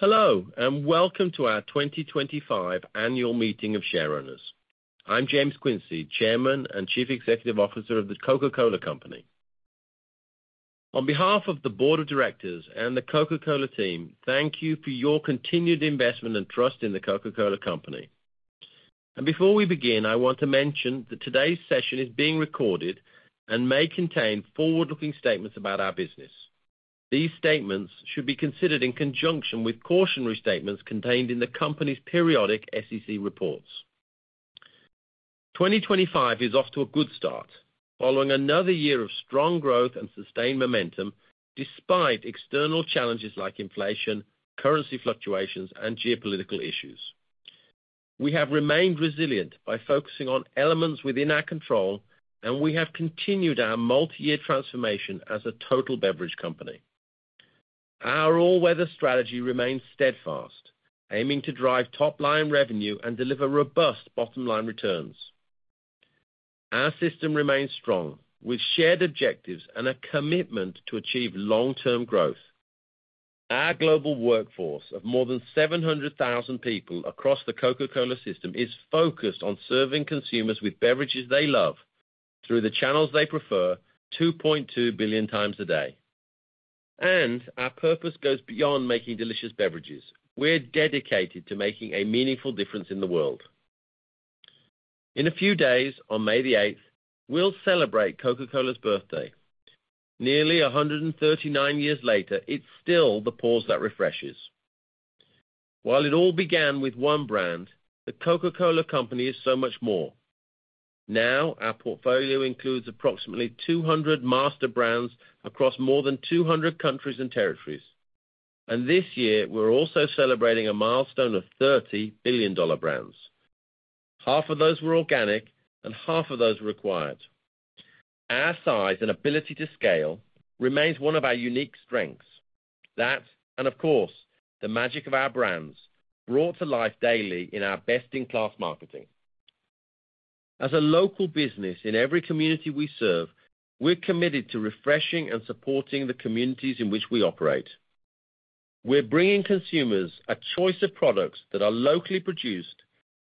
Hello, and welcome to our 2025 Annual Meeting of Shareowners. I'm James Quincey, Chairman and Chief Executive Officer of the Coca-Cola Company. On behalf of the Board of Directors and the Coca-Cola Team, thank you for your continued investment and trust in the Coca-Cola Company. Before we begin, I want to mention that today's session is being recorded and may contain forward-looking statements about our business. These statements should be considered in conjunction with cautionary statements contained in the Company's periodic SEC reports. 2025 is off to a good start, following another year of strong growth and sustained momentum despite external challenges like inflation, currency fluctuations, and geopolitical issues. We have remained resilient by focusing on elements within our control, and we have continued our multi-year transformation as a total beverage company. Our all-weather strategy remains steadfast, aiming to drive top-line revenue and deliver robust bottom-line returns. Our system remains strong, with shared objectives and a commitment to achieve long-term growth. Our global workforce of more than 700,000 people across the Coca-Cola system is focused on serving consumers with beverages they love, through the channels they prefer, 2.2 billion times a day. Our purpose goes beyond making delicious beverages. We're dedicated to making a meaningful difference in the world. In a few days, on May the 8th, we'll celebrate Coca-Cola's birthday. Nearly 139 years later, it's still the pause that refreshes. While it all began with one brand, the Coca-Cola Company is so much more. Now, our portfolio includes approximately 200 master brands across more than 200 countries and territories. This year, we're also celebrating a milestone of 30 billion-dollar brands. Half of those were organic, and half of those were acquired. Our size and ability to scale remains one of our unique strengths. That, and of course, the magic of our brands, brought to life daily in our best-in-class marketing. As a local business in every community we serve, we're committed to refreshing and supporting the communities in which we operate. We're bringing consumers a choice of products that are locally produced,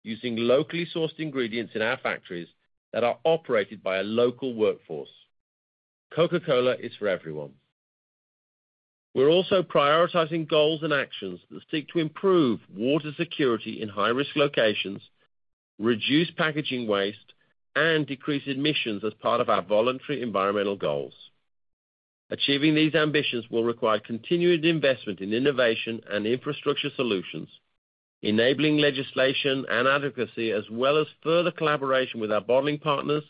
using locally sourced ingredients in our factories that are operated by a local workforce. Coca-Cola is for everyone. We're also prioritizing goals and actions that seek to improve water security in high-risk locations, reduce packaging waste, and decrease emissions as part of our voluntary environmental goals. Achieving these ambitions will require continued investment in innovation and infrastructure solutions, enabling legislation and advocacy, as well as further collaboration with our bottling partners,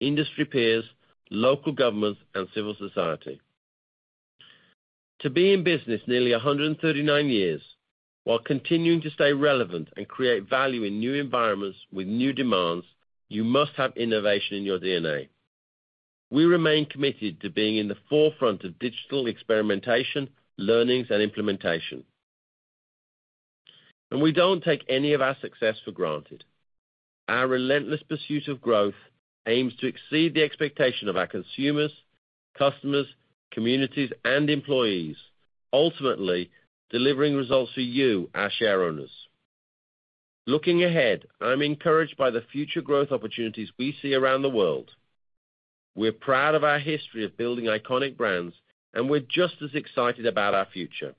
industry peers, local governments, and civil society. To be in business nearly 139 years, while continuing to stay relevant and create value in new environments with new demands, you must have innovation in your DNA. We remain committed to being in the forefront of digital experimentation, learnings, and implementation. We do not take any of our success for granted. Our relentless pursuit of growth aims to exceed the expectation of our consumers, customers, communities, and employees, ultimately delivering results for you, our shareowners. Looking ahead, I'm encouraged by the future growth opportunities we see around the world. We're proud of our history of building iconic brands, and we're just as excited about our future.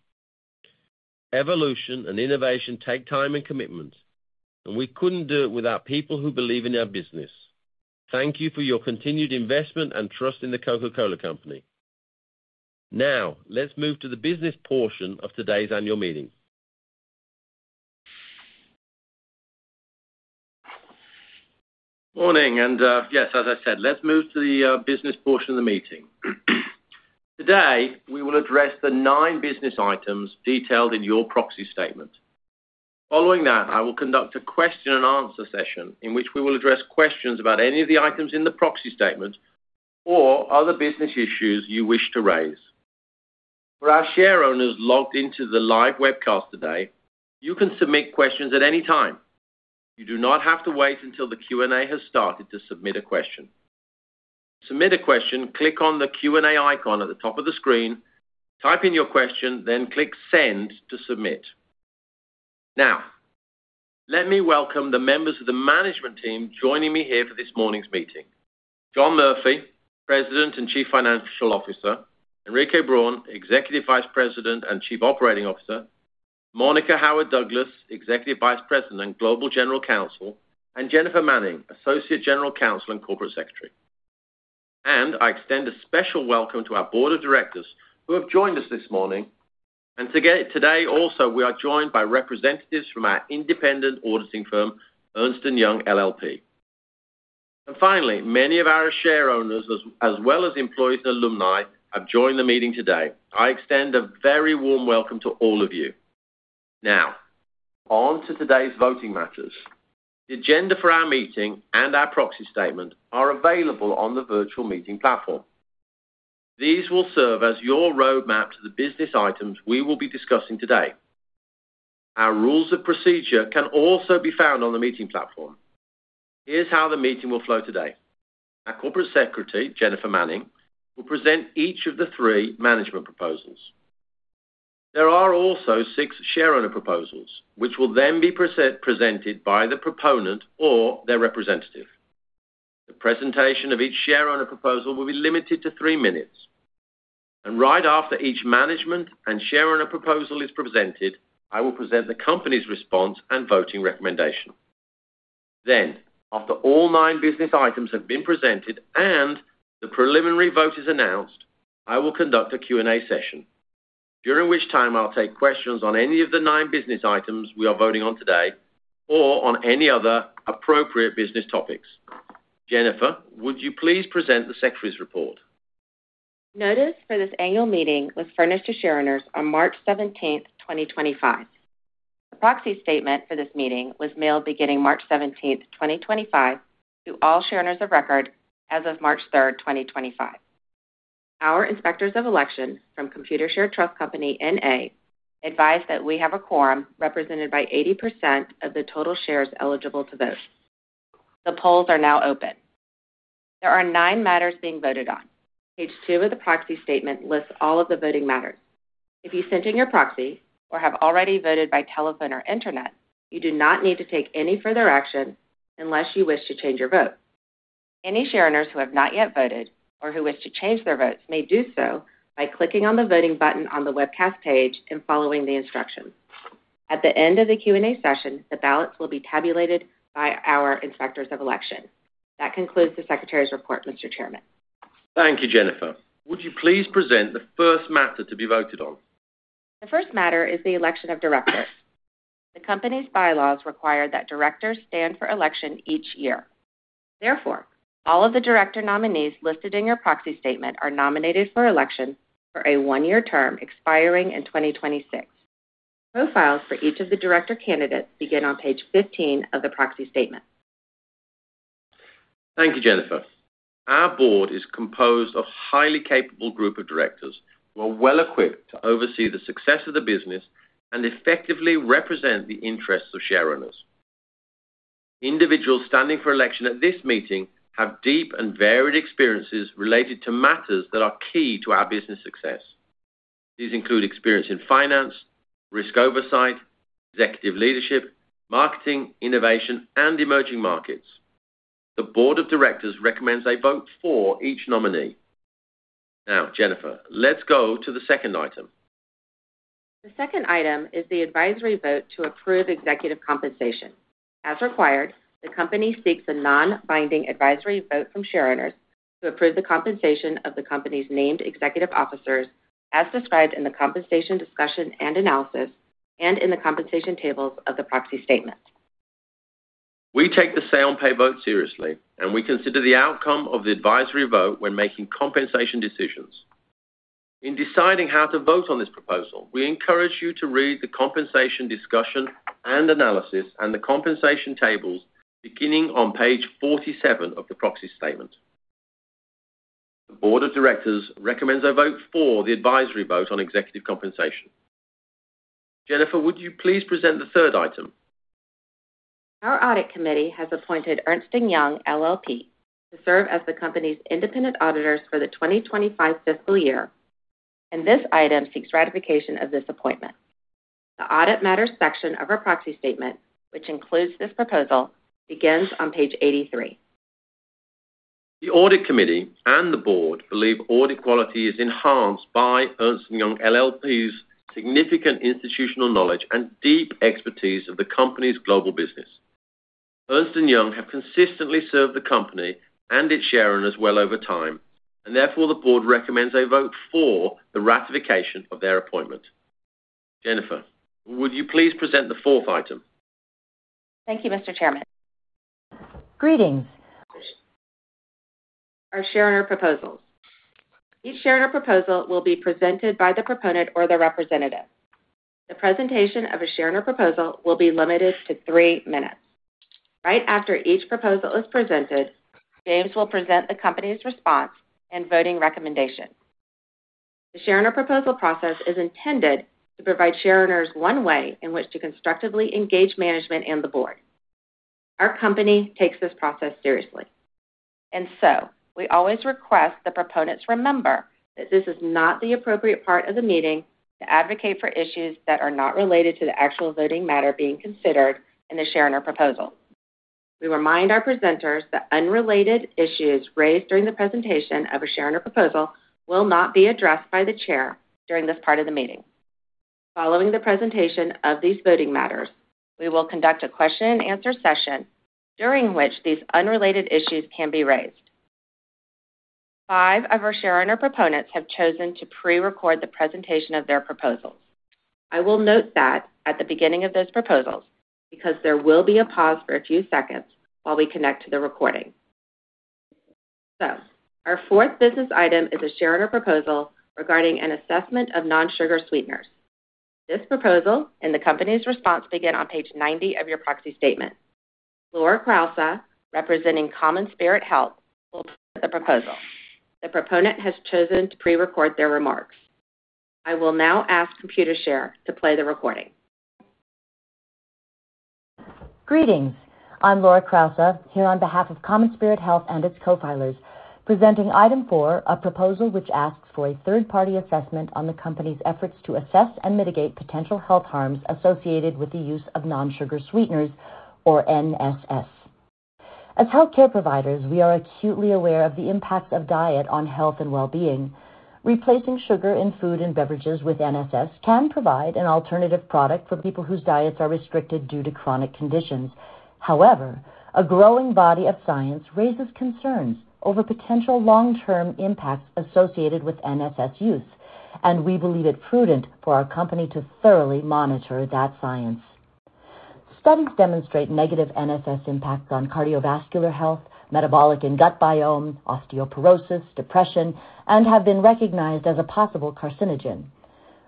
Evolution and innovation take time and commitment, and we could not do it without people who believe in our business. Thank you for your continued investment and trust in the Coca-Cola Company. Now, let's move to the business portion of today's annual meeting. Morning. Yes, as I said, let's move to the business portion of the meeting. Today, we will address the nine business items detailed in your proxy statement. Following that, I will conduct a question-and-answer session in which we will address questions about any of the items in the proxy statement or other business issues you wish to raise. For our shareowners logged into the live webcast today, you can submit questions at any time. You do not have to wait until the Q&A has started to submit a question. To submit a question, click on the Q&A icon at the top of the screen, type in your question, then click Send to submit. Now, let me welcome the members of the management team joining me here for this morning's meeting: John Murphy, President and Chief Financial Officer; Henrique Braun, Executive Vice President and Chief Operating Officer; Monica Howard Douglas, Executive Vice President and Global General Counsel; and Jennifer Manning, Associate General Counsel and Corporate Secretary. I extend a special welcome to our Board of Directors who have joined us this morning. Today, also, we are joined by representatives from our independent auditing firm, Ernst & Young LLP. Finally, many of our shareowners, as well as employees and alumni, have joined the meeting today. I extend a very warm welcome to all of you. Now, on to today's voting matters. The agenda for our meeting and our proxy statement are available on the virtual meeting platform. These will serve as your roadmap to the business items we will be discussing today. Our rules of procedure can also be found on the meeting platform. Here's how the meeting will flow today. Our Corporate Secretary, Jennifer Manning, will present each of the three management proposals. There are also six shareowner proposals, which will then be presented by the proponent or their representative. The presentation of each shareowner proposal will be limited to three minutes. Right after each management and shareowner proposal is presented, I will present the Company's response and voting recommendation. After all nine business items have been presented and the preliminary vote is announced, I will conduct a Q&A session, during which time I'll take questions on any of the nine business items we are voting on today or on any other appropriate business topics. Jennifer, would you please present the Secretary's report? Notice for this annual meeting was furnished to shareowners on March 17th, 2025. The proxy statement for this meeting was mailed beginning March 17th, 2025, to all shareowners of record as of March 3rd, 2025. Our Inspectors of Election from Computershare Trust Company, N.A. advised that we have a quorum represented by 80% of the total shares eligible to vote. The polls are now open. There are nine matters being voted on. Page two of the proxy statement lists all of the voting matters. If you sent in your proxy or have already voted by telephone or internet, you do not need to take any further action unless you wish to change your vote. Any shareowners who have not yet voted or who wish to change their votes may do so by clicking on the voting button on the webcast page and following the instructions. At the end of the Q&A session, the ballots will be tabulated by our Inspectors of Election. That concludes the Secretary's report, Mr. Chairman. Thank you, Jennifer. Would you please present the first matter to be voted on? The first matter is the election of directors. The Company's bylaws require that directors stand for election each year. Therefore, all of the director nominees listed in your proxy statement are nominated for election for a one-year term expiring in 2026. Profiles for each of the director candidates begin on page 15 of the proxy statement. Thank you, Jennifer. Our board is composed of a highly capable group of directors who are well equipped to oversee the success of the business and effectively represent the interests of shareowners. Individuals standing for election at this meeting have deep and varied experiences related to matters that are key to our business success. These include experience in finance, risk oversight, executive leadership, marketing, innovation, and emerging markets. The Board of Directors recommends a vote for each nominee. Now, Jennifer, let's go to the second item. The second item is the advisory vote to approve executive compensation. As required, the Company seeks a non-binding advisory vote from shareowners to approve the compensation of the Company's named executive officers, as described in the compensation discussion and analysis, and in the compensation tables of the proxy statement. We take the say-on-pay vote seriously, and we consider the outcome of the advisory vote when making compensation decisions. In deciding how to vote on this proposal, we encourage you to read the compensation discussion and analysis and the compensation tables beginning on page 47 of the proxy statement. The Board of Directors recommends a vote for the advisory vote on executive compensation. Jennifer, would you please present the third item? Our audit committee has appointed Ernst & Young LLP to serve as the Company's independent auditors for the 2025 fiscal year, and this item seeks ratification of this appointment. The audit matters section of our proxy statement, which includes this proposal, begins on page 83. The audit committee and the board believe audit quality is enhanced by Ernst & Young LLP's significant institutional knowledge and deep expertise of the Company's global business. Ernst & Young have consistently served the Company and its shareowners well over time, and therefore the board recommends a vote for the ratification of their appointment. Jennifer, would you please present the fourth item? Thank you, Mr. Chairman. Greetings. Of course. Our shareowner proposals. Each shareowner proposal will be presented by the proponent or the representative. The presentation of a shareowner proposal will be limited to three minutes. Right after each proposal is presented, James will present the Company's response and voting recommendation. The shareowner proposal process is intended to provide shareowners one way in which to constructively engage management and the board. Our Company takes this process seriously. We always request that proponents remember that this is not the appropriate part of the meeting to advocate for issues that are not related to the actual voting matter being considered in the shareowner proposal. We remind our presenters that unrelated issues raised during the presentation of a shareowner proposal will not be addressed by the chair during this part of the meeting. Following the presentation of these voting matters, we will conduct a question-and-answer session during which these unrelated issues can be raised. Five of our shareowner proponents have chosen to pre-record the presentation of their proposals. I will note that at the beginning of those proposals because there will be a pause for a few seconds while we connect to the recording. Our fourth business item is a shareowner proposal regarding an assessment of non-sugar sweeteners. This proposal and the Company's response begin on page 90 of your proxy statement. Laura Crousa, representing CommonSpirit Health, will present the proposal. The proponent has chosen to pre-record their remarks. I will now ask Computershare to play the recording. Greetings. I'm Laura Crousa, here on behalf of CommonSpirit Health and its co-filers, presenting item four, a proposal which asks for a third-party assessment on the Company's efforts to assess and mitigate potential health harms associated with the use of non-sugar sweeteners, or NSS. As healthcare providers, we are acutely aware of the impacts of diet on health and well-being. Replacing sugar in food and beverages with NSS can provide an alternative product for people whose diets are restricted due to chronic conditions. However, a growing body of science raises concerns over potential long-term impacts associated with NSS use, and we believe it prudent for our Company to thoroughly monitor that science. Studies demonstrate negative NSS impacts on cardiovascular health, metabolic and gut biome, osteoporosis, depression, and have been recognized as a possible carcinogen.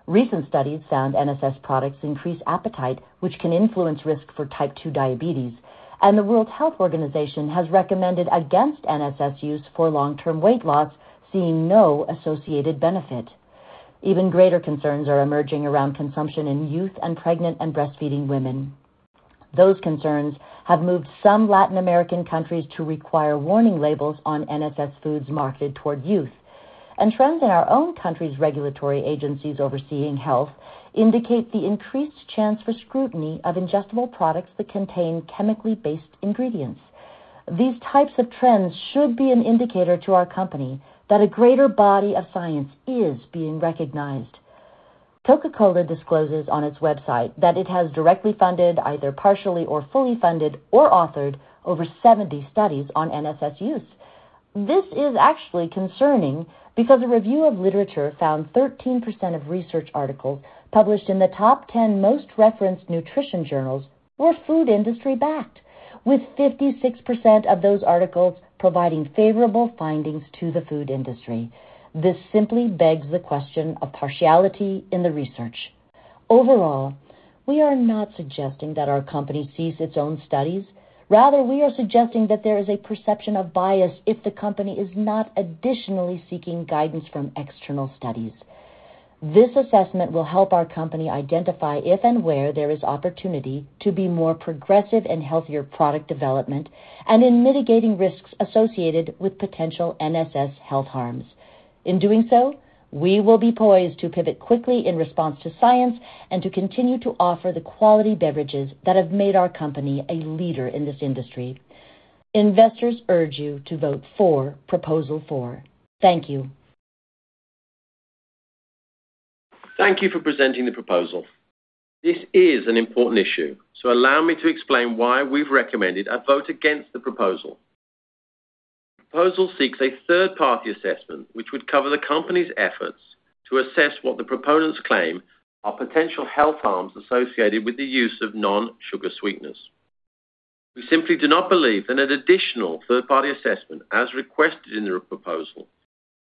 Recent studies found NSS products increase appetite, which can influence risk for type 2 diabetes, and the World Health Organization has recommended against NSS use for long-term weight loss, seeing no associated benefit. Even greater concerns are emerging around consumption in youth and pregnant and breastfeeding women. Those concerns have moved some Latin American countries to require warning labels on NSS foods marketed toward youth, and trends in our own country's regulatory agencies overseeing health indicate the increased chance for scrutiny of ingestible products that contain chemically-based ingredients. These types of trends should be an indicator to our Company that a greater body of science is being recognized. Coca-Cola discloses on its website that it has directly funded, either partially or fully funded, or authored over 70 studies on NSS use. This is actually concerning because a review of literature found 13% of research articles published in the top 10 most referenced nutrition journals were food industry-backed, with 56% of those articles providing favorable findings to the food industry. This simply begs the question of partiality in the research. Overall, we are not suggesting that our Company seeks its own studies. Rather, we are suggesting that there is a perception of bias if the Company is not additionally seeking guidance from external studies. This assessment will help our Company identify if and where there is opportunity to be more progressive in healthier product development and in mitigating risks associated with potential NSS health harms. In doing so, we will be poised to pivot quickly in response to science and to continue to offer the quality beverages that have made our Company a leader in this industry. Investors urge you to vote for Proposal 4. Thank you. Thank you for presenting the proposal. This is an important issue, so allow me to explain why we've recommended a vote against the proposal. The proposal seeks a third-party assessment which would cover the Company's efforts to assess what the proponents claim are potential health harms associated with the use of non-sugar sweeteners. We simply do not believe that an additional third-party assessment, as requested in the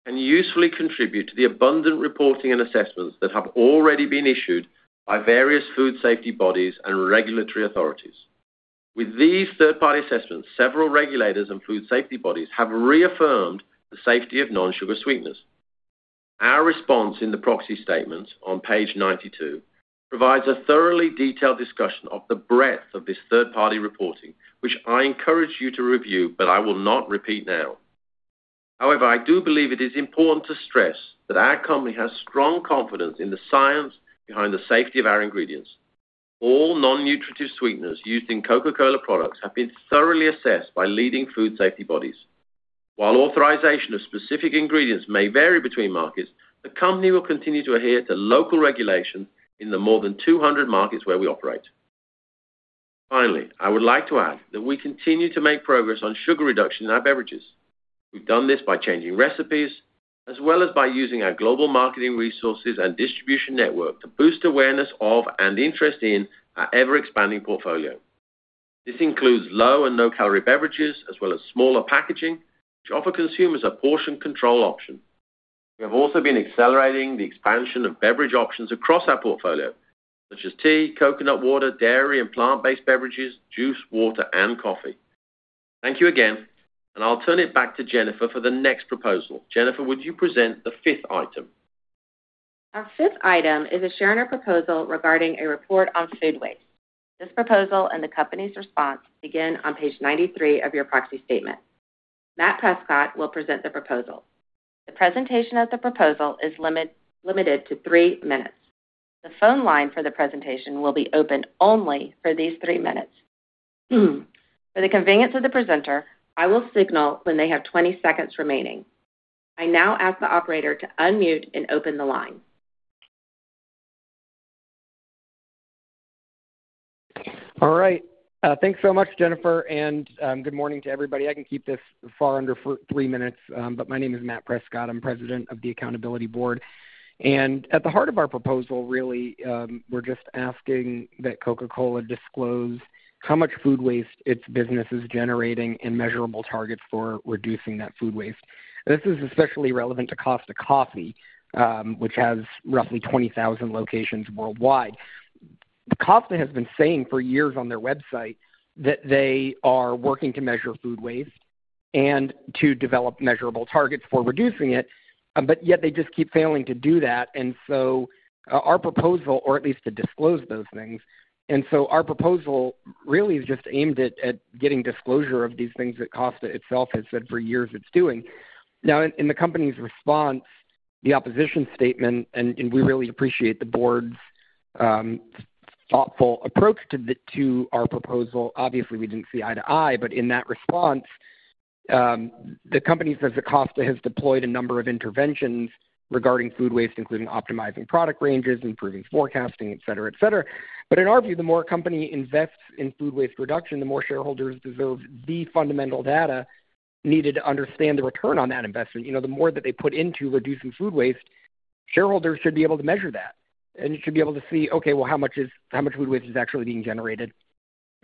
proposal, can usefully contribute to the abundant reporting and assessments that have already been issued by various food safety bodies and regulatory authorities. With these third-party assessments, several regulators and food safety bodies have reaffirmed the safety of non-sugar sweeteners. Our response in the proxy statement on page 92 provides a thoroughly detailed discussion of the breadth of this third-party reporting, which I encourage you to review, but I will not repeat now. However, I do believe it is important to stress that our Company has strong confidence in the science behind the safety of our ingredients. All non-nutritive sweeteners used in Coca-Cola products have been thoroughly assessed by leading food safety bodies. While authorization of specific ingredients may vary between markets, the Company will continue to adhere to local regulations in the more than 200 markets where we operate. Finally, I would like to add that we continue to make progress on sugar reduction in our beverages. We've done this by changing recipes as well as by using our global marketing resources and distribution network to boost awareness of and interest in our ever-expanding portfolio. This includes low and no-calorie beverages as well as smaller packaging, which offer consumers a portion control option. We have also been accelerating the expansion of beverage options across our portfolio, such as tea, coconut water, dairy and plant-based beverages, juice, water, and coffee. Thank you again, and I'll turn it back to Jennifer for the next proposal. Jennifer, would you present the fifth item? Our fifth item is a shareowner proposal regarding a report on food waste. This proposal and the Company's response begin on page 93 of your proxy statement. Matt Prescott will present the proposal. The presentation of the proposal is limited to three minutes. The phone line for the presentation will be open only for these three minutes. For the convenience of the presenter, I will signal when they have 20 seconds remaining. I now ask the operator to unmute and open the line. All right. Thanks so much, Jennifer, and good morning to everybody. I can keep this far under three minutes, but my name is Matt Prescott. I'm president of the Accountability Board. At the heart of our proposal, really, we're just asking that Coca-Cola disclose how much food waste its business is generating and measurable targets for reducing that food waste. This is especially relevant to Costa Coffee, which has roughly 20,000 locations worldwide. Costa has been saying for years on their website that they are working to measure food waste and to develop measurable targets for reducing it, yet they just keep failing to do that. Our proposal, or at least to disclose those things. Our proposal really is just aimed at getting disclosure of these things that Costa itself has said for years it's doing. Now, in the Company's response, the opposition statement, and we really appreciate the board's thoughtful approach to our proposal. Obviously, we didn't see eye to eye, but in that response, the Company says that Costa has deployed a number of interventions regarding food waste, including optimizing product ranges, improving forecasting, etc., etc. In our view, the more a Company invests in food waste reduction, the more shareholders deserve the fundamental data needed to understand the return on that investment. The more that they put into reducing food waste, shareholders should be able to measure that, and it should be able to see, okay, like, how much food waste is actually being generated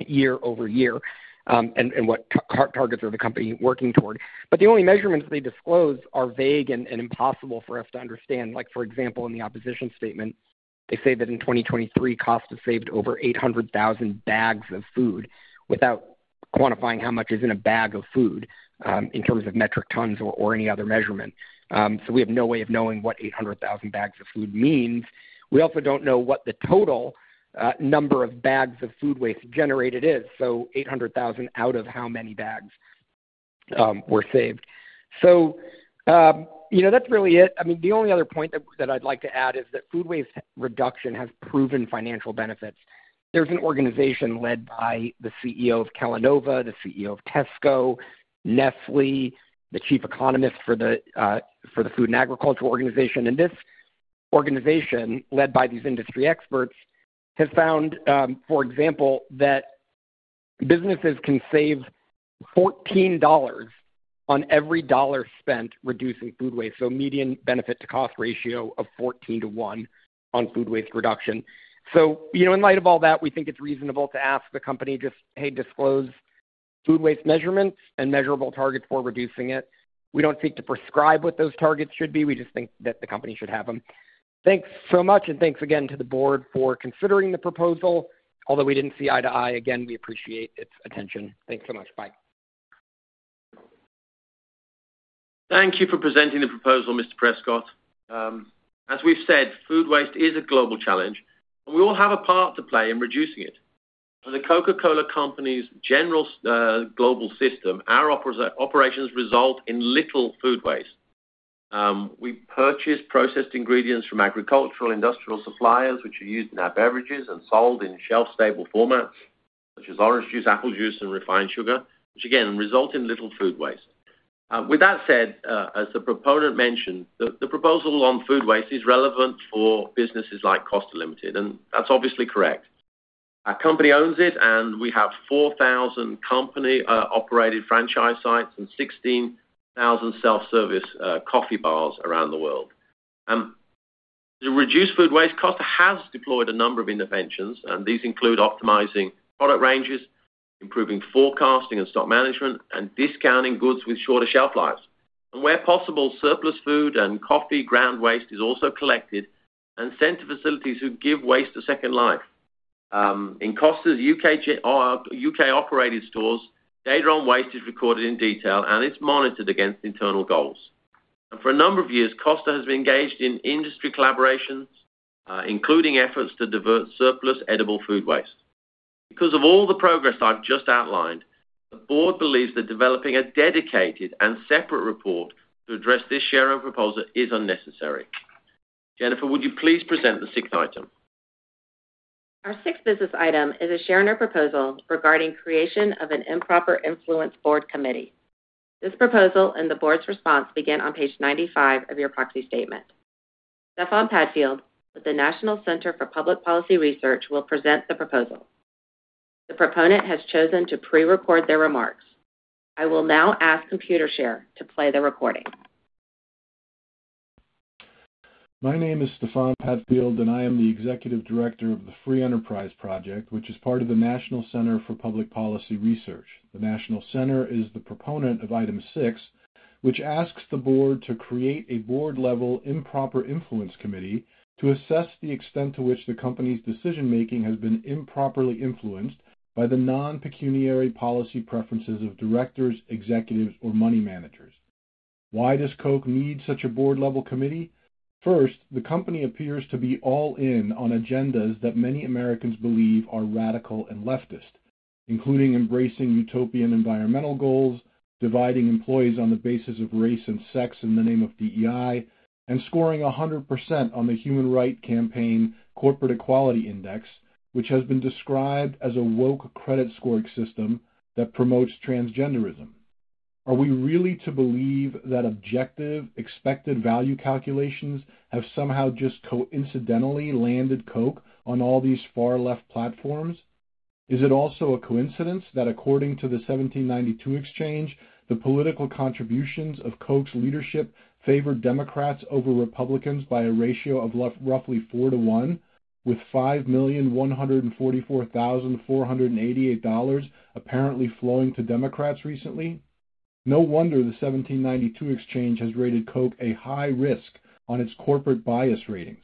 year over year and what targets are the Company working toward. The only measurements they disclose are vague and impossible for us to understand. For example, in the opposition statement, they say that in 2023, Costa saved over 800,000 bags of food without quantifying how much is in a bag of food in terms of metric tons or any other measurement. We have no way of knowing what 800,000 bags of food means. We also do not know what the total number of bags of food waste generated is, so 800,000 out of how many bags were saved. That is really it. I mean, the only other point that I would like to add is that food waste reduction has proven financial benefits. There is an organization led by the CEO of Calanova, the CEO of Tesco, Nestlé, the chief economist for the Food and Agriculture Organization. This organization, led by these industry experts, has found, for example, that businesses can save $14 on every dollar spent reducing food waste, so median benefit to cost ratio of 14 to 1 on food waste reduction. In light of all that, we think it's reasonable to ask the Company just, hey, disclose food waste measurements and measurable targets for reducing it. We don't seek to prescribe what those targets should be. We just think that the Company should have them. Thanks so much, and thanks again to the board for considering the proposal. Although we didn't see eye to eye, again, we appreciate its attention. Thanks so much. Bye. Thank you for presenting the proposal, Mr. Prescott. As we've said, food waste is a global challenge, and we all have a part to play in reducing it. For The Coca-Cola Company's general global system, our operations result in little food waste. We purchase processed ingredients from agricultural industrial suppliers, which are used in our beverages and sold in shelf-stable formats, such as orange juice, apple juice, and refined sugar, which again result in little food waste. With that said, as the proponent mentioned, the proposal on food waste is relevant for businesses like Costa Limited, and that's obviously correct. Our Company owns it, and we have 4,000 company-operated franchise sites and 16,000 self-service coffee bars around the world. To reduce food waste, Costa has deployed a number of interventions, and these include optimizing product ranges, improving forecasting and stock management, and discounting goods with shorter shelf lives. Where possible, surplus food and coffee ground waste is also collected and sent to facilities who give waste a second life. In Costa's U.K.-operated stores, data on waste is recorded in detail, and it is monitored against internal goals. For a number of years, Costa has been engaged in industry collaborations, including efforts to divert surplus edible food waste. Because of all the progress I have just outlined, the board believes that developing a dedicated and separate report to address this shareowner proposal is unnecessary. Jennifer, would you please present the sixth item? Our sixth business item is a shareowner proposal regarding creation of an improper influence board committee. This proposal and the board's response begin on page 95 of your proxy statement. Stefan Padfield with the National Center for Public Policy Research will present the proposal. The proponent has chosen to pre-record their remarks. I will now ask Computershare to play the recording. My name is Stefan Padfield, and I am the executive director of the Free Enterprise Project, which is part of the National Center for Public Policy Research. The National Center is the proponent of item six, which asks the board to create a board-level improper influence committee to assess the extent to which the Company's decision-making has been improperly influenced by the non-pecuniary policy preferences of directors, executives, or money managers. Why does Coke need such a board-level committee? First, the Company appears to be all in on agendas that many Americans believe are radical and leftist, including embracing utopian environmental goals, dividing employees on the basis of race and sex in the name of DEI, and scoring 100% on the Human Rights Campaign Corporate Equality Index, which has been described as a woke credit scoring system that promotes transgenderism. Are we really to believe that objective expected value calculations have somehow just coincidentally landed Coke on all these far-left platforms? Is it also a coincidence that according to the 1792 exchange, the political contributions of Coke's leadership favor Democrats over Republicans by a ratio of roughly 4 to 1, with $5,144,488 apparently flowing to Democrats recently? No wonder the 1792 exchange has rated Coke a high risk on its corporate bias ratings.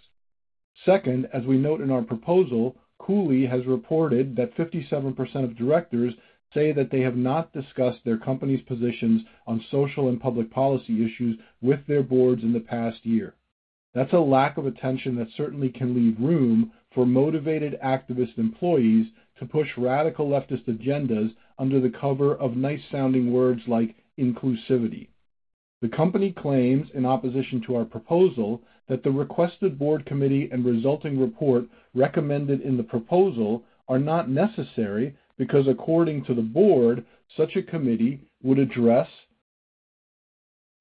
Second, as we note in our proposal, Cooley has reported that 57% of directors say that they have not discussed their Company's positions on social and public policy issues with their boards in the past year. That's a lack of attention that certainly can leave room for motivated activist employees to push radical leftist agendas under the cover of nice-sounding words like inclusivity. The Company claims, in opposition to our proposal, that the requested board committee and resulting report recommended in the proposal are not necessary because, according to the board, such a committee would address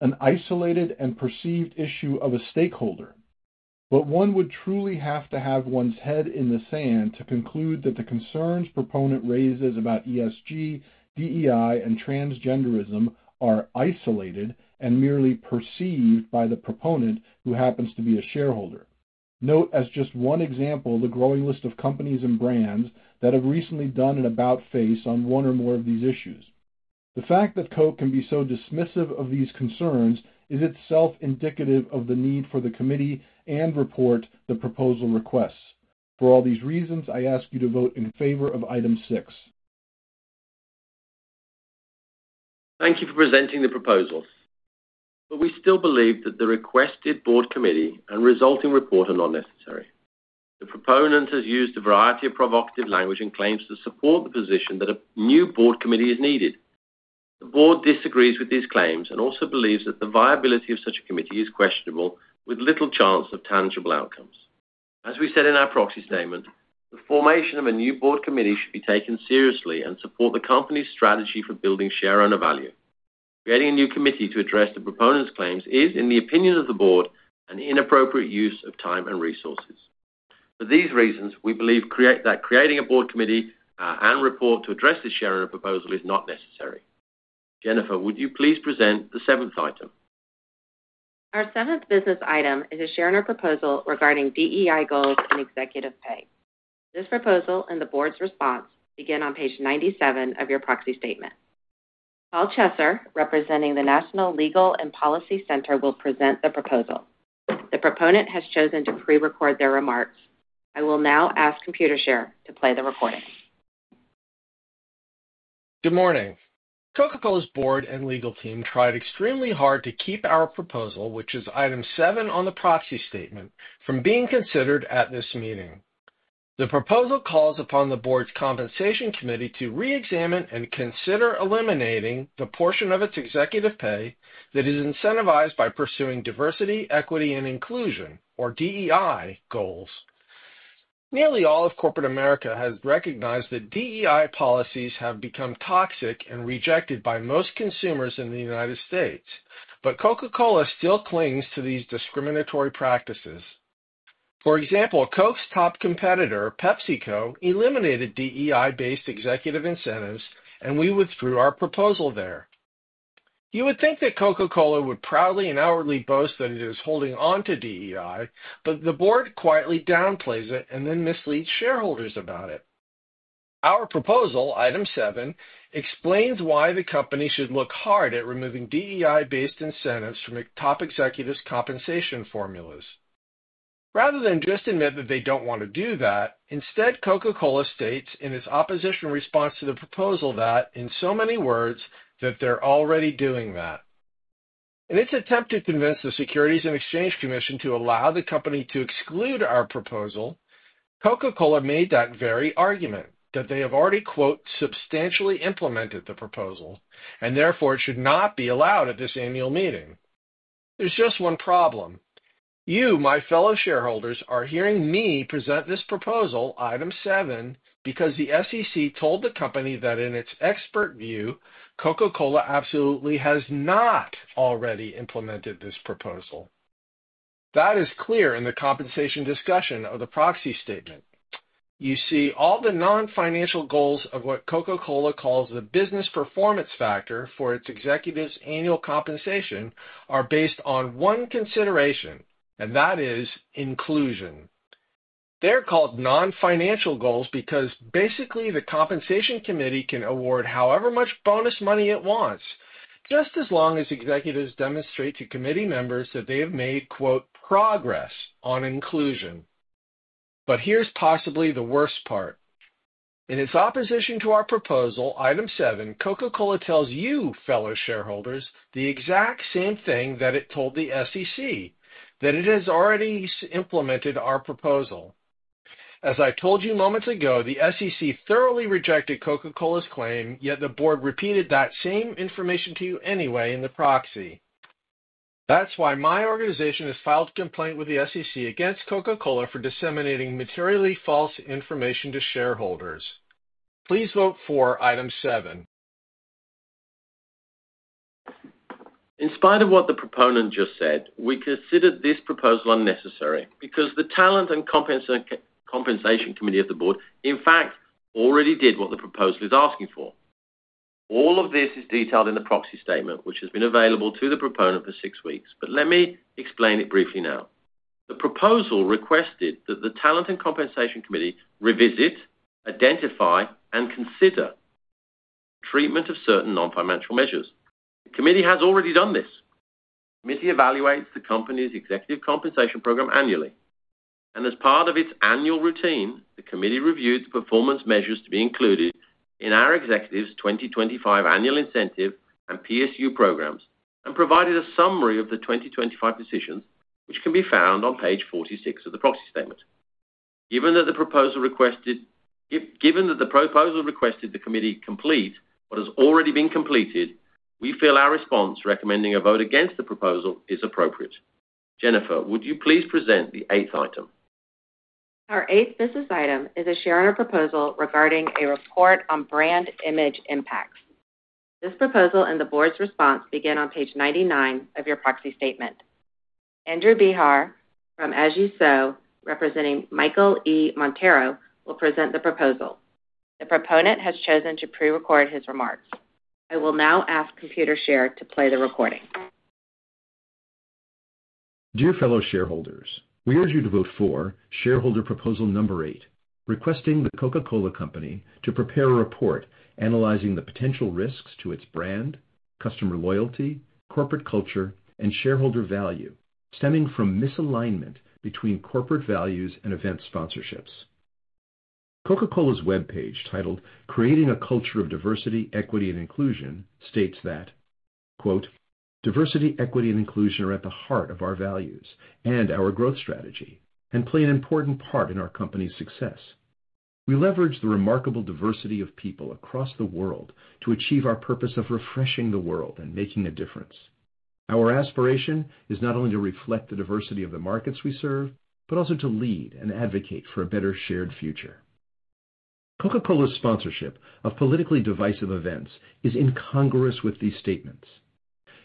an isolated and perceived issue of a stakeholder. One would truly have to have one's head in the sand to conclude that the concerns proponent raises about ESG, DEI, and transgenderism are isolated and merely perceived by the proponent who happens to be a shareholder. Note, as just one example, the growing list of companies and brands that have recently done an about-face on one or more of these issues. The fact that Coca-Cola can be so dismissive of these concerns is itself indicative of the need for the committee and report the proposal requests. For all these reasons, I ask you to vote in favor of item six. Thank you for presenting the proposal. We still believe that the requested board committee and resulting report are not necessary. The proponent has used a variety of provocative language and claims to support the position that a new board committee is needed. The board disagrees with these claims and also believes that the viability of such a committee is questionable, with little chance of tangible outcomes. As we said in our proxy statement, the formation of a new board committee should be taken seriously and support the Company's strategy for building shareowner value. Creating a new committee to address the proponent's claims is, in the opinion of the board, an inappropriate use of time and resources. For these reasons, we believe that creating a board committee and report to address this shareowner proposal is not necessary. Jennifer, would you please present the seventh item? Our seventh business item is a shareowner proposal regarding DEI goals and executive pay. This proposal and the board's response begin on page 97 of your proxy statement. Paul Chesser, representing the National Legal and Policy Center, will present the proposal. The proponent has chosen to pre-record their remarks. I will now ask Computershare to play the recording. Good morning. Coca-Cola's board and legal team tried extremely hard to keep our proposal, which is item seven on the proxy statement, from being considered at this meeting. The proposal calls upon the board's compensation committee to re-examine and consider eliminating the portion of its executive pay that is incentivized by pursuing diversity, equity, and inclusion, or DEI, goals. Nearly all of corporate America has recognized that DEI policies have become toxic and rejected by most consumers in the United States, but Coca-Cola still clings to these discriminatory practices. For example, Coke's top competitor, PepsiCo, eliminated DEI-based executive incentives, and we withdrew our proposal there. You would think that Coca-Cola would proudly and outwardly boast that it is holding on to DEI, but the board quietly downplays it and then misleads shareholders about it. Our proposal, item seven, explains why the Company should look hard at removing DEI-based incentives from top executives' compensation formulas. Rather than just admit that they do not want to do that, instead, Coca-Cola states in its opposition response to the proposal that, in so many words, that they are already doing that. In its attempt to convince the Securities and Exchange Commission to allow the Company to exclude our proposal, Coca-Cola made that very argument, that they have already "substantially implemented" the proposal and therefore it should not be allowed at this annual meeting. There is just one problem. You, my fellow shareholders, are hearing me present this proposal, item seven, because the SEC told the Company that in its expert view, Coca-Cola absolutely has not already implemented this proposal. That is clear in the compensation discussion of the proxy statement. You see, all the non-financial goals of what Coca-Cola calls the business performance factor for its executives' annual compensation are based on one consideration, and that is inclusion. They're called non-financial goals because, basically, the compensation committee can award however much bonus money it wants, just as long as executives demonstrate to committee members that they have made "progress" on inclusion. Here's possibly the worst part. In its opposition to our proposal, item seven, Coca-Cola tells you, fellow shareholders, the exact same thing that it told the SEC, that it has already implemented our proposal. As I told you moments ago, the SEC thoroughly rejected Coca-Cola's claim, yet the board repeated that same information to you anyway in the proxy. That's why my organization has filed a complaint with the SEC against Coca-Cola for disseminating materially false information to shareholders. Please vote for item seven. In spite of what the proponent just said, we considered this proposal unnecessary because the talent and compensation committee of the board, in fact, already did what the proposal is asking for. All of this is detailed in the proxy statement, which has been available to the proponent for six weeks. Let me explain it briefly now. The proposal requested that the talent and compensation committee revisit, identify, and consider treatment of certain non-financial measures. The committee has already done this. The committee evaluates the Company's executive compensation program annually. As part of its annual routine, the committee reviewed the performance measures to be included in our executive's 2025 annual incentive and PSU programs and provided a summary of the 2025 decisions, which can be found on page 46 of the proxy statement. Given that the proposal requested the committee complete what has already been completed, we feel our response recommending a vote against the proposal is appropriate. Jennifer, would you please present the eighth item? Our eighth business item is a shareowner proposal regarding a report on brand image impacts. This proposal and the board's response begin on page 99 of your proxy statement. Andrew Behar from As You Sow, representing Michael E. Montero, will present the proposal. The proponent has chosen to pre-record his remarks. I will now ask Computershare to play the recording. Dear fellow shareholders, we urge you to vote for shareholder proposal number eight, requesting the Coca-Cola Company to prepare a report analyzing the potential risks to its brand, customer loyalty, corporate culture, and shareholder value stemming from misalignment between corporate values and event sponsorships. Coca-Cola's webpage titled Creating a Culture of Diversity, Equity, and Inclusion states that, "Diversity, equity, and inclusion are at the heart of our values and our growth strategy and play an important part in our company's success. We leverage the remarkable diversity of people across the world to achieve our purpose of refreshing the world and making a difference. Our aspiration is not only to reflect the diversity of the markets we serve, but also to lead and advocate for a better shared future." Coca-Cola's sponsorship of politically divisive events is incongruous with these statements.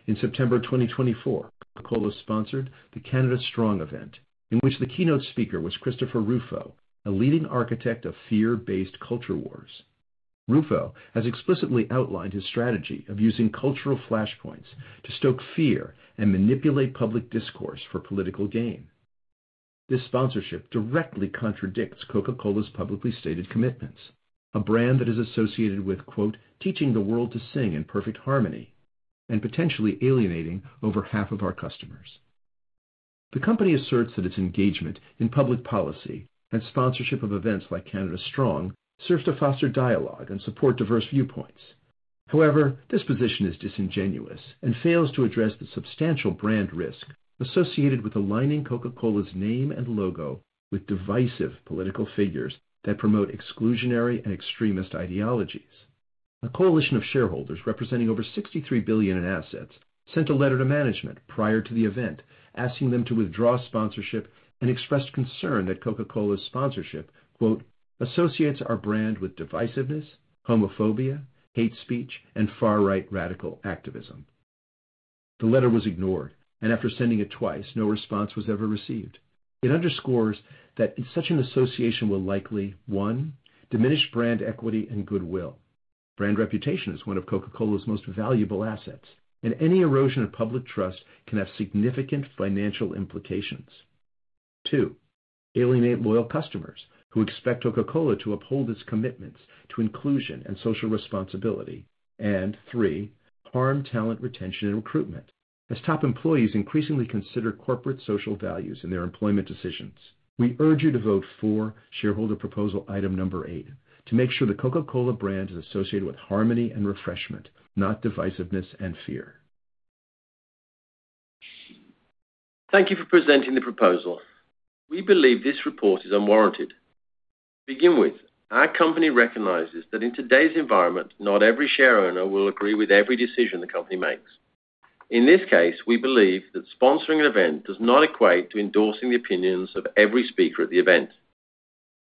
In September 2024, Coca-Cola sponsored the Canada Strong event, in which the keynote speaker was Christopher Rufo, a leading architect of fear-based culture wars. Rufo has explicitly outlined his strategy of using cultural flashpoints to stoke fear and manipulate public discourse for political gain. This sponsorship directly contradicts Coca-Cola's publicly stated commitments, a brand that is associated with "teaching the world to sing in perfect harmony and potentially alienating over half of our customers." The company asserts that its engagement in public policy and sponsorship of events like Canada Strong serves to foster dialogue and support diverse viewpoints. However, this position is disingenuous and fails to address the substantial brand risk associated with aligning Coca-Cola's name and logo with divisive political figures that promote exclusionary and extremist ideologies. A coalition of shareholders representing over $63 billion in assets sent a letter to management prior to the event, asking them to withdraw sponsorship, and expressed concern that Coca-Cola's sponsorship "associates our brand with divisiveness, homophobia, hate speech, and far-right radical activism." The letter was ignored, and after sending it twice, no response was ever received. It underscores that such an association will likely, one, diminish brand equity and goodwill. Brand reputation is one of Coca-Cola's most valuable assets, and any erosion of public trust can have significant financial implications. Two, alienate loyal customers who expect Coca-Cola to uphold its commitments to inclusion and social responsibility. Three, harm talent retention and recruitment as top employees increasingly consider corporate social values in their employment decisions. We urge you to vote for shareholder proposal item number eight to make sure the Coca-Cola brand is associated with harmony and refreshment, not divisiveness and fear. Thank you for presenting the proposal. We believe this report is unwarranted. To begin with, our company recognizes that in today's environment, not every shareowner will agree with every decision the Company makes. In this case, we believe that sponsoring an event does not equate to endorsing the opinions of every speaker at the event.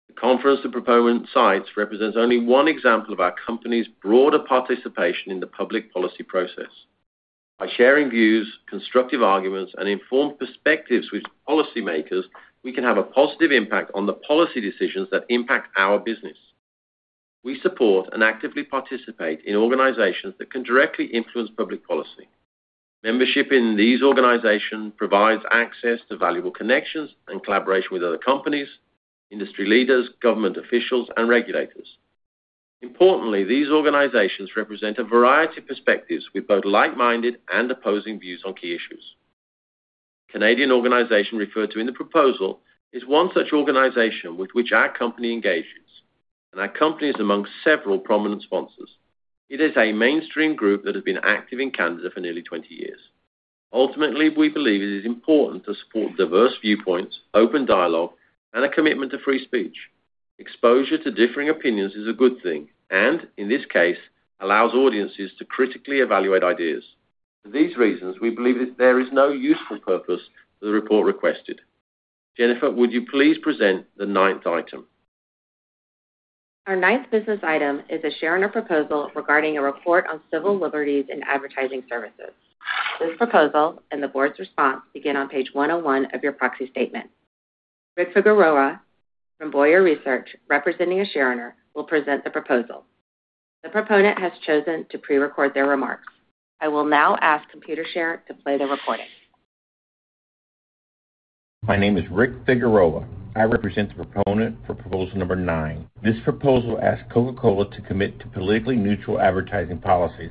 The conference the proponent cites represents only one example of our Company's broader participation in the public policy process. By sharing views, constructive arguments, and informed perspectives with policymakers, we can have a positive impact on the policy decisions that impact our business. We support and actively participate in organizations that can directly influence public policy. Membership in these organizations provides access to valuable connections and collaboration with other companies, industry leaders, government officials, and regulators. Importantly, these organizations represent a variety of perspectives with both like-minded and opposing views on key issues. The Canadian organization referred to in the proposal is one such organization with which our Company engages, and our Company is among several prominent sponsors. It is a mainstream group that has been active in Canada for nearly 20 years. Ultimately, we believe it is important to support diverse viewpoints, open dialogue, and a commitment to free speech. Exposure to differing opinions is a good thing and, in this case, allows audiences to critically evaluate ideas. For these reasons, we believe that there is no useful purpose for the report requested. Jennifer, would you please present the ninth item? Our ninth business item is a shareowner proposal regarding a report on civil liberties and advertising services. This proposal and the board's response begin on page 101 of your proxy statement. Ritvik Arora from Boyer Research, representing a shareowner, will present the proposal. The proponent has chosen to pre-record their remarks. I will now ask Computershare to play the recording. My name is Ritvik Arora. I represent the proponent for proposal number nine. This proposal asks Coca-Cola to commit to politically neutral advertising policies.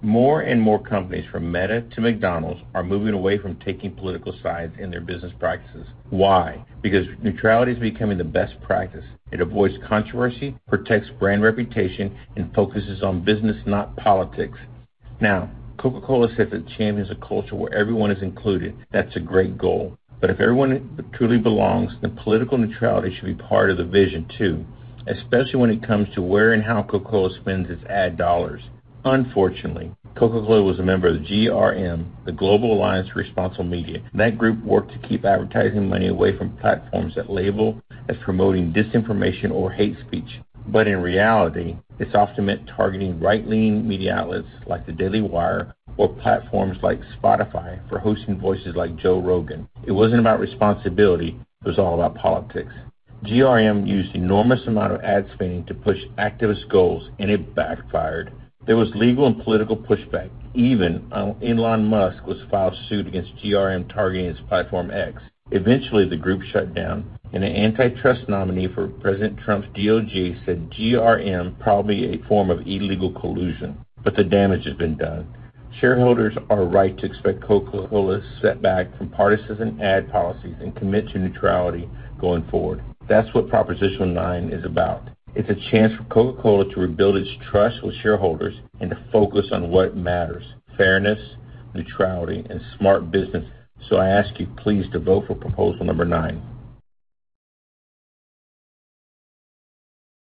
More and more companies, from Meta to McDonald's, are moving away from taking political sides in their business practices. Why? Because neutrality is becoming the best practice. It avoids controversy, protects brand reputation, and focuses on business, not politics. Now, Coca-Cola says it champions a culture where everyone is included. That's a great goal. If everyone truly belongs, then political neutrality should be part of the vision too, especially when it comes to where and how Coca-Cola spends its ad dollars. Unfortunately, Coca-Cola was a member of the Global Alliance for Responsible Media. That group worked to keep advertising money away from platforms that label as promoting disinformation or hate speech. In reality, it's often meant targeting right-leaning media outlets like the Daily Wire or platforms like Spotify for hosting voices like Joe Rogan. It wasn't about responsibility. It was all about politics. GARM used an enormous amount of ad spending to push activist goals, and it backfired. There was legal and political pushback. Even Elon Musk filed suit against GARM targeting its platform X. Eventually, the group shut down, and an antitrust nominee for President Trump's DOJ said GARM is probably a form of illegal collusion. The damage has been done. Shareholders are right to expect Coca-Cola's setback from partisan ad policies and commit to neutrality going forward. That's what proposition nine is about. It's a chance for Coca-Cola to rebuild its trust with shareholders and to focus on what matters: fairness, neutrality, and smart business. I ask you, please to vote for proposal number nine.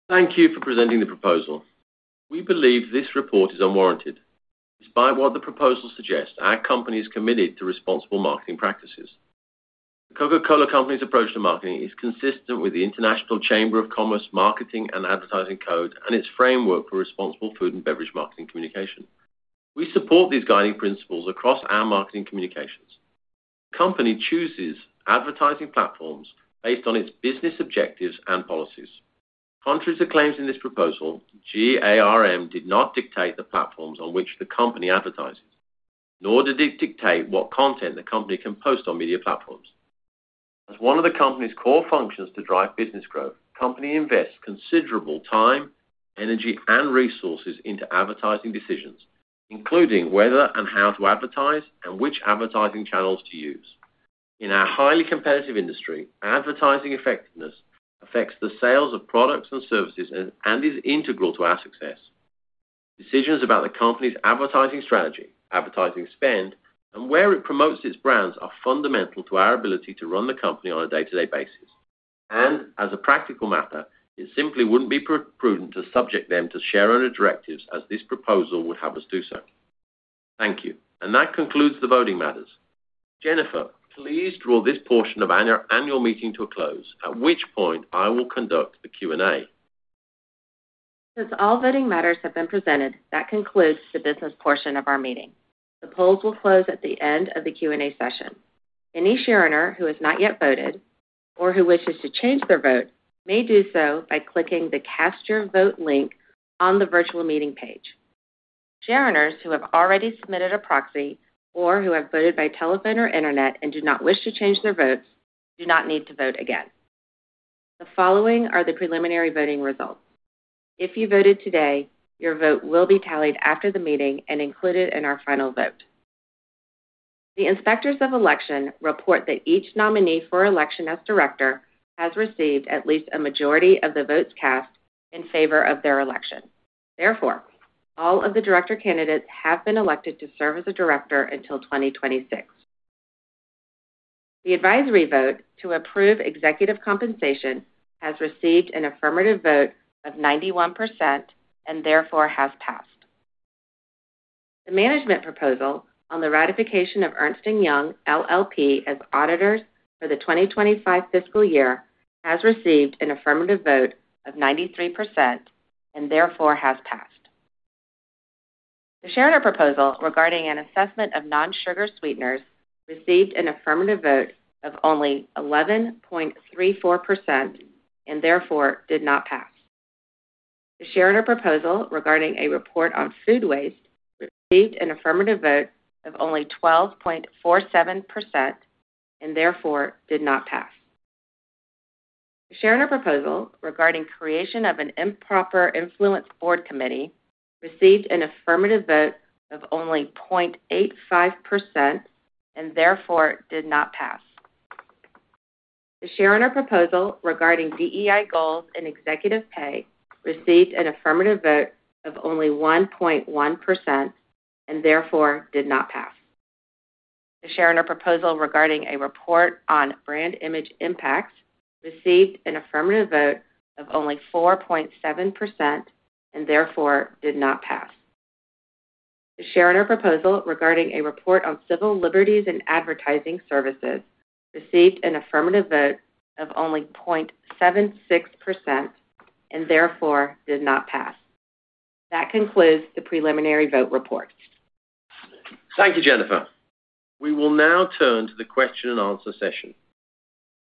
Thank you for presenting the proposal. We believe this report is unwarranted. Despite what the proposal suggests, our Company is committed to responsible marketing practices. The Coca-Cola Company's approach to marketing is consistent with the International Chamber of Commerce Marketing and Advertising Code and its framework for responsible food and beverage marketing communication. We support these guiding principles across our marketing communications. The Company chooses advertising platforms based on its business objectives and policies. Contrary to claims in this proposal, GARM did not dictate the platforms on which the Company advertises, nor did it dictate what content the Company can post on media platforms. As one of the Company's core functions to drive business growth, the Company invests considerable time, energy, and resources into advertising decisions, including whether and how to advertise and which advertising channels to use. In our highly competitive industry, advertising effectiveness affects the sales of products and services and is integral to our success. Decisions about the Company's advertising strategy, advertising spend, and where it promotes its brands are fundamental to our ability to run the Company on a day-to-day basis. As a practical matter, it simply would not be prudent to subject them to shareowner directives as this proposal would have us do so. Thank you. That concludes the voting matters. Jennifer, please draw this portion of our annual meeting to a close, at which point I will conduct the Q&A. Since all voting matters have been presented, that concludes the business portion of our meeting. The polls will close at the end of the Q&A session. Any shareowner who has not yet voted or who wishes to change their vote may do so by clicking the Cast Your Vote link on the virtual meeting page. Shareowners who have already submitted a proxy or who have voted by telephone or internet and do not wish to change their votes do not need to vote again. The following are the preliminary voting results. If you voted today, your vote will be tallied after the meeting and included in our final vote. The inspectors of election report that each nominee for election as director has received at least a majority of the votes cast in favor of their election. Therefore, all of the director candidates have been elected to serve as a director until 2026. The advisory vote to approve executive compensation has received an affirmative vote of 91% and therefore has passed. The management proposal on the ratification of Ernst & Young LLP as auditors for the 2025 fiscal year has received an affirmative vote of 93% and therefore has passed. The shareowner proposal regarding an assessment of non-sugar sweeteners received an affirmative vote of only 11.34% and therefore did not pass. The shareowner proposal regarding a report on food waste received an affirmative vote of only 12.47% and therefore did not pass. The shareowner proposal regarding creation of an improper influence board committee received an affirmative vote of only 0.85% and therefore did not pass. The shareowner proposal regarding DEI goals and executive pay received an affirmative vote of only 1.1% and therefore did not pass. The shareowner proposal regarding a report on brand image impacts received an affirmative vote of only 4.7% and therefore did not pass. The shareowner proposal regarding a report on civil liberties and advertising services received an affirmative vote of only 0.76% and therefore did not pass. That concludes the preliminary vote report. Thank you, Jennifer. We will now turn to the question and answer session.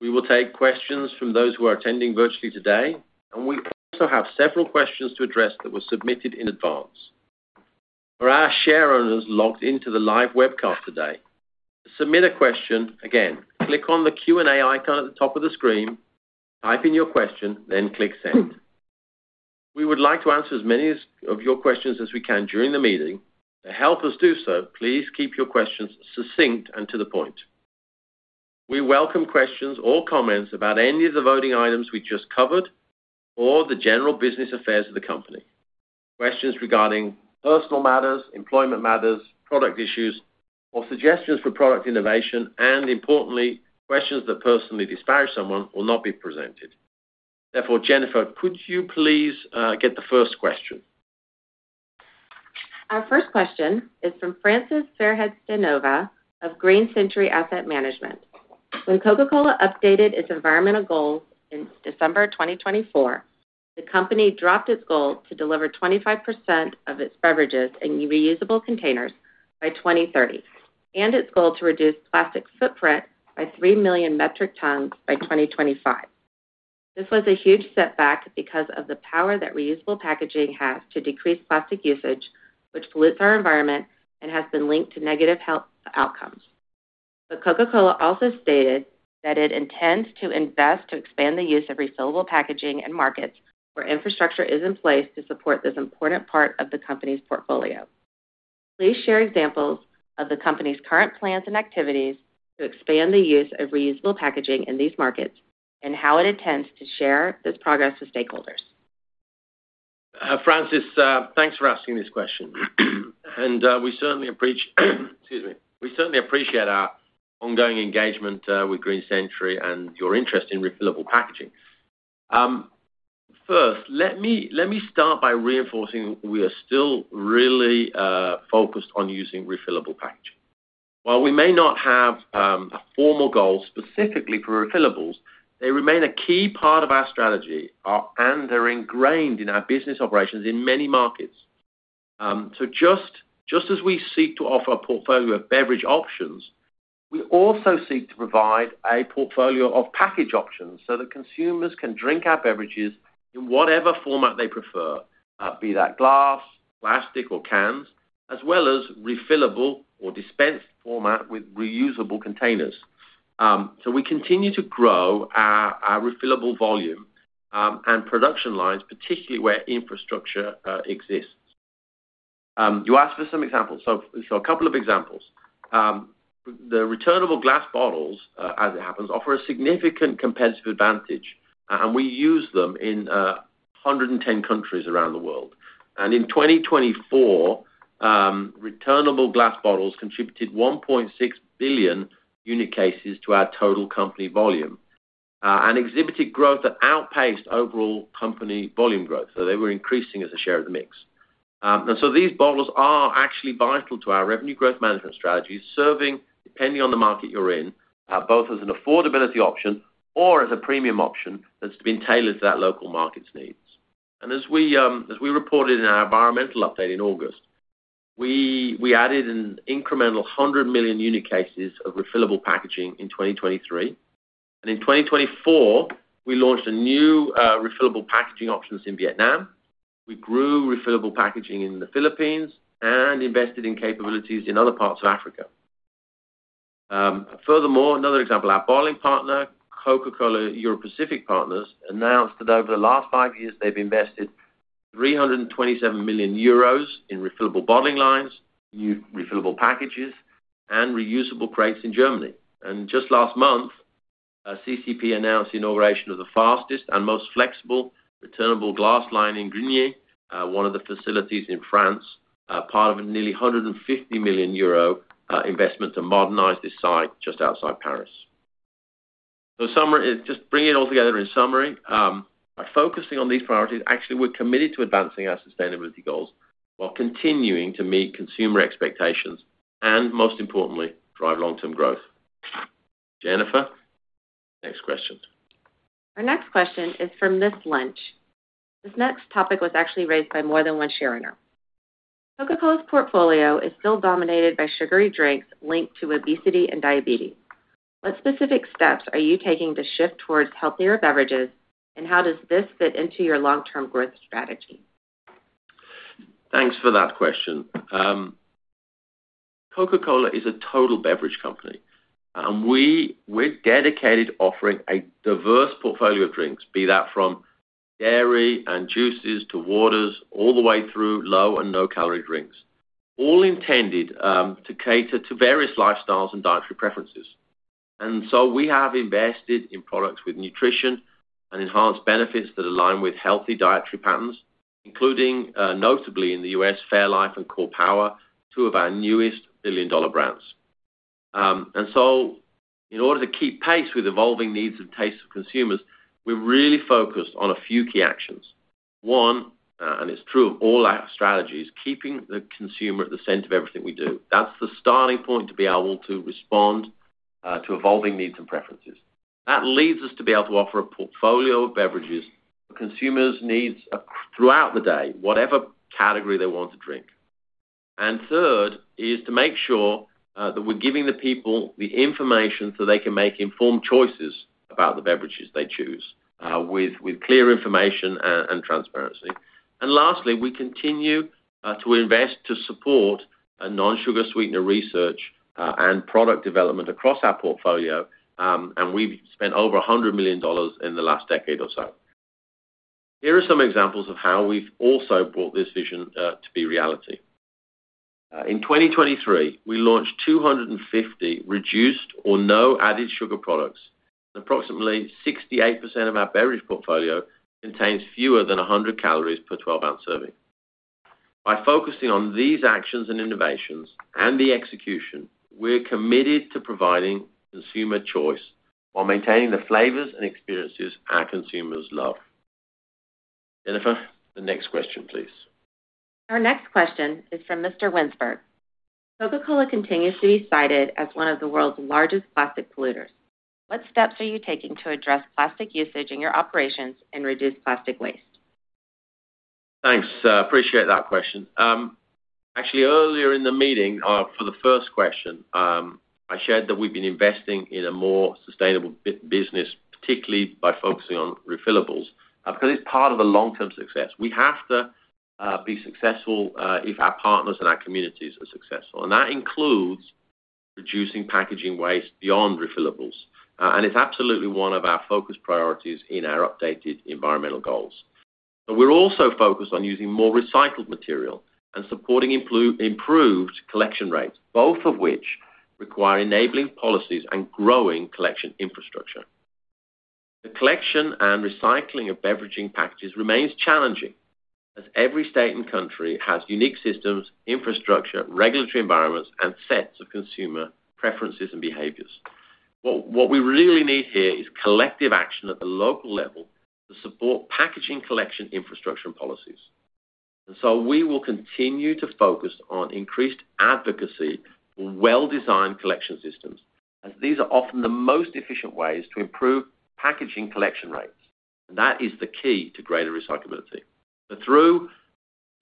We will take questions from those who are attending virtually today, and we also have several questions to address that were submitted in advance. For our shareowners logged into the live webcast today, to submit a question, again, click on the Q&A icon at the top of the screen, type in your question, then click send. We would like to answer as many of your questions as we can during the meeting. To help us do so, please keep your questions succinct and to the point. We welcome questions or comments about any of the voting items we just covered or the general business affairs of the Company. Questions regarding personal matters, employment matters, product issues, or suggestions for product innovation, and importantly, questions that personally disparage someone will not be presented. Therefore, Jennifer, could you please get the first question? Our first question is from Francis Fairhead Stanova of Green Century Asset Management. When Coca-Cola updated its environmental goals in December 2024, the Company dropped its goal to deliver 25% of its beverages in reusable containers by 2030 and its goal to reduce plastic footprint by 3 million metric tons by 2025. This was a huge setback because of the power that reusable packaging has to decrease plastic usage, which pollutes our environment and has been linked to negative health outcomes. Coca-Cola also stated that it intends to invest to expand the use of refillable packaging in markets where infrastructure is in place to support this important part of the Company's portfolio. Please share examples of the Company's current plans and activities to expand the use of reusable packaging in these markets and how it intends to share this progress with stakeholders. Francis, thanks for asking this question. We certainly appreciate our ongoing engagement with Green Century and your interest in refillable packaging. First, let me start by reinforcing we are still really focused on using refillable packaging. While we may not have a formal goal specifically for refillables, they remain a key part of our strategy and are ingrained in our business operations in many markets. Just as we seek to offer a portfolio of beverage options, we also seek to provide a portfolio of package options so that consumers can drink our beverages in whatever format they prefer, be that glass, plastic, or cans, as well as refillable or dispensed format with reusable containers. We continue to grow our refillable volume and production lines, particularly where infrastructure exists. You asked for some examples. A couple of examples. The returnable glass bottles, as it happens, offer a significant competitive advantage, and we use them in 110 countries around the world. In 2024, returnable glass bottles contributed 1.6 billion unit cases to our total Company volume and exhibited growth that outpaced overall Company volume growth. They were increasing as a share of the mix. These bottles are actually vital to our revenue growth management strategies, serving, depending on the market you're in, both as an affordability option or as a premium option that's been tailored to that local market's needs. As we reported in our environmental update in August, we added an incremental 100 million unit cases of refillable packaging in 2023. In 2024, we launched new refillable packaging options in Vietnam. We grew refillable packaging in the Philippines and invested in capabilities in other parts of Africa. Furthermore, another example, our bottling partner, Coca-Cola Europacific Partners, announced that over the last five years, they've invested 327 million euros in refillable bottling lines, new refillable packages, and reusable crates in Germany. Just last month, Coca-Cola Europacific Partners announced the inauguration of the fastest and most flexible returnable glass line in Grigny, one of the facilities in France, part of a nearly 150 million euro investment to modernize this site just outside Paris. Just bringing it all together in summary, by focusing on these priorities, actually, we're committed to advancing our sustainability goals while continuing to meet consumer expectations and, most importantly, drive long-term growth. Jennifer, next question. Our next question is from Miss Lynch. This next topic was actually raised by more than one shareowner. Coca-Cola's portfolio is still dominated by sugary drinks linked to obesity and diabetes. What specific steps are you taking to shift towards healthier beverages, and how does this fit into your long-term growth strategy? Thanks for that question. Coca-Cola is a total beverage company. We are dedicated to offering a diverse portfolio of drinks, be that from dairy and juices to waters, all the way through low and no-calorie drinks, all intended to cater to various lifestyles and dietary preferences. We have invested in products with nutrition and enhanced benefits that align with healthy dietary patterns, including, notably in the US, Fairlife and BODYARMOR, two of our newest billion-dollar brands. In order to keep pace with evolving needs and tastes of consumers, we are really focused on a few key actions. One, and it is true of all our strategies, keeping the consumer at the center of everything we do. That is the starting point to be able to respond to evolving needs and preferences. That leads us to be able to offer a portfolio of beverages for consumers' needs throughout the day, whatever category they want to drink. Third is to make sure that we're giving the people the information so they can make informed choices about the beverages they choose with clear information and transparency. Lastly, we continue to invest to support non-sugar sweetener research and product development across our portfolio, and we've spent over $100 million in the last decade or so. Here are some examples of how we've also brought this vision to be reality. In 2023, we launched 250 reduced or no added sugar products, and approximately 68% of our beverage portfolio contains fewer than 100 calories per 12-ounce serving. By focusing on these actions and innovations and the execution, we're committed to providing consumer choice while maintaining the flavors and experiences our consumers love. Jennifer, the next question, please. Our next question is from Mr. Winsberg. Coca-Cola continues to be cited as one of the world's largest plastic polluters. What steps are you taking to address plastic usage in your operations and reduce plastic waste? Thanks. Appreciate that question. Actually, earlier in the meeting for the first question, I shared that we've been investing in a more sustainable business, particularly by focusing on refillables, because it's part of the long-term success. We have to be successful if our partners and our communities are successful. That includes reducing packaging waste beyond refillables. It's absolutely one of our focus priorities in our updated environmental goals. We're also focused on using more recycled material and supporting improved collection rates, both of which require enabling policies and growing collection infrastructure. The collection and recycling of beverage packages remains challenging as every state and country has unique systems, infrastructure, regulatory environments, and sets of consumer preferences and behaviors. What we really need here is collective action at the local level to support packaging collection infrastructure and policies. We will continue to focus on increased advocacy for well-designed collection systems, as these are often the most efficient ways to improve packaging collection rates. That is the key to greater recyclability. Through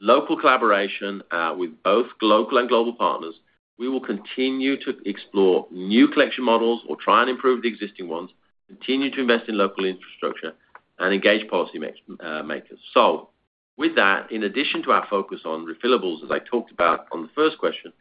local collaboration with both local and global partners, we will continue to explore new collection models or try and improve the existing ones, continue to invest in local infrastructure, and engage policymakers. In addition to our focus on refillables, as I talked about on the first question,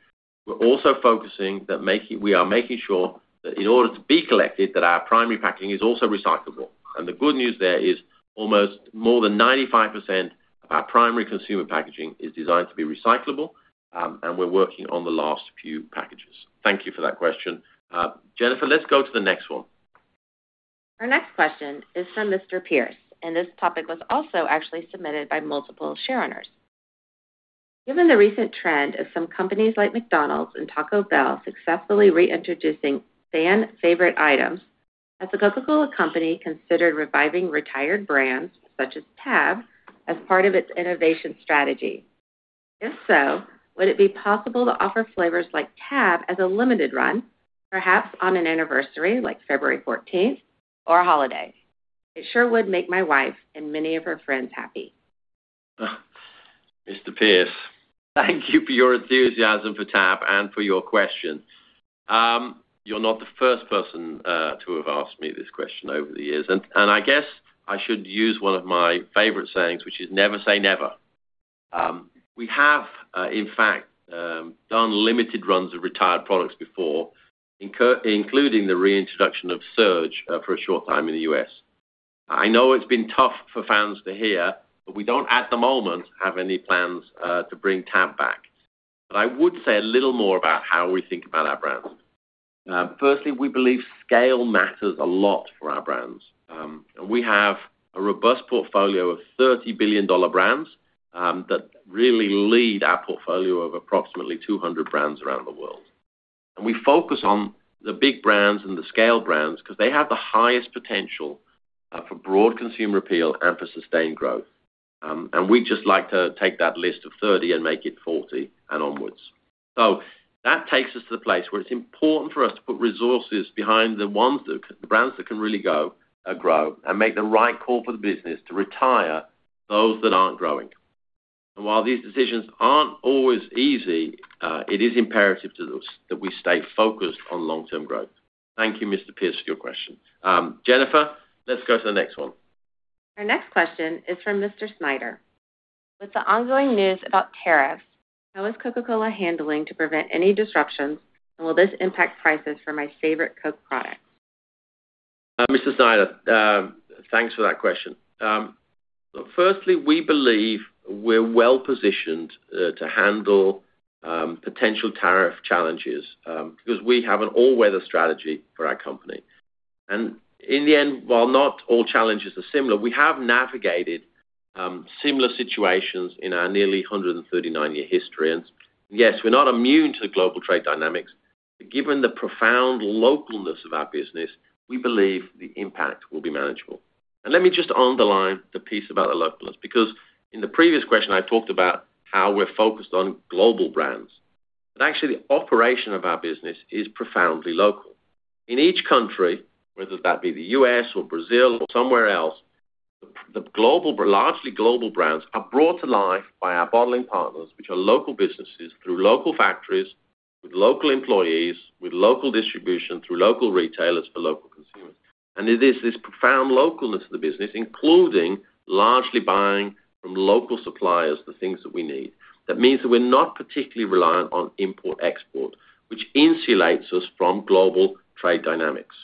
we're also focusing that we are making sure that in order to be collected, our primary packaging is also recyclable. The good news there is almost more than 95% of our primary consumer packaging is designed to be recyclable, and we're working on the last few packages. Thank you for that question. Jennifer, let's go to the next one. Our next question is from Mr. Pierce, and this topic was also actually submitted by multiple shareowners. Given the recent trend of some companies like McDonald's and Taco Bell successfully reintroducing fan-favorite items, has the Coca-Cola Company considered reviving retired brands such as Tab as part of its innovation strategy? If so, would it be possible to offer flavors like Tab as a limited run, perhaps on an anniversary like February 14th or a holiday? It sure would make my wife and many of her friends happy. Mr. Pierce, thank you for your enthusiasm for Tab and for your question. You're not the first person to have asked me this question over the years. I guess I should use one of my favorite sayings, which is never say never. We have, in fact, done limited runs of retired products before, including the reintroduction of Surge for a short time in the U.S. I know it's been tough for fans to hear, but we don't at the moment have any plans to bring Tab back. I would say a little more about how we think about our brands. Firstly, we believe scale matters a lot for our brands. We have a robust portfolio of 30 billion dollar brands that really lead our portfolio of approximately 200 brands around the world. We focus on the big brands and the scale brands because they have the highest potential for broad consumer appeal and for sustained growth. We'd just like to take that list of 30 and make it 40 and onwards. That takes us to the place where it's important for us to put resources behind the brands that can really grow and make the right call for the business to retire those that aren't growing. While these decisions aren't always easy, it is imperative to us that we stay focused on long-term growth. Thank you, Mr. Perez, for your question. Jennifer, let's go to the next one. Our next question is from Mr. Snyder. With the ongoing news about tariffs, how is Coca-Cola handling to prevent any disruptions, and will this impact prices for my favorite Coke products? Mr. Snyder, thanks for that question. Firstly, we believe we're well positioned to handle potential tariff challenges because we have an all-weather strategy for our company. In the end, while not all challenges are similar, we have navigated similar situations in our nearly 139-year history. Yes, we're not immune to the global trade dynamics. Given the profound localness of our business, we believe the impact will be manageable. Let me just underline the piece about the localness because in the previous question, I talked about how we're focused on global brands. Actually, the operation of our business is profoundly local. In each country, whether that be the U.S. or Brazil or somewhere else, the largely global brands are brought to life by our bottling partners, which are local businesses through local factories, with local employees, with local distribution through local retailers for local consumers. It is this profound localness of the business, including largely buying from local suppliers the things that we need, that means that we're not particularly reliant on import-export, which insulates us from global trade dynamics.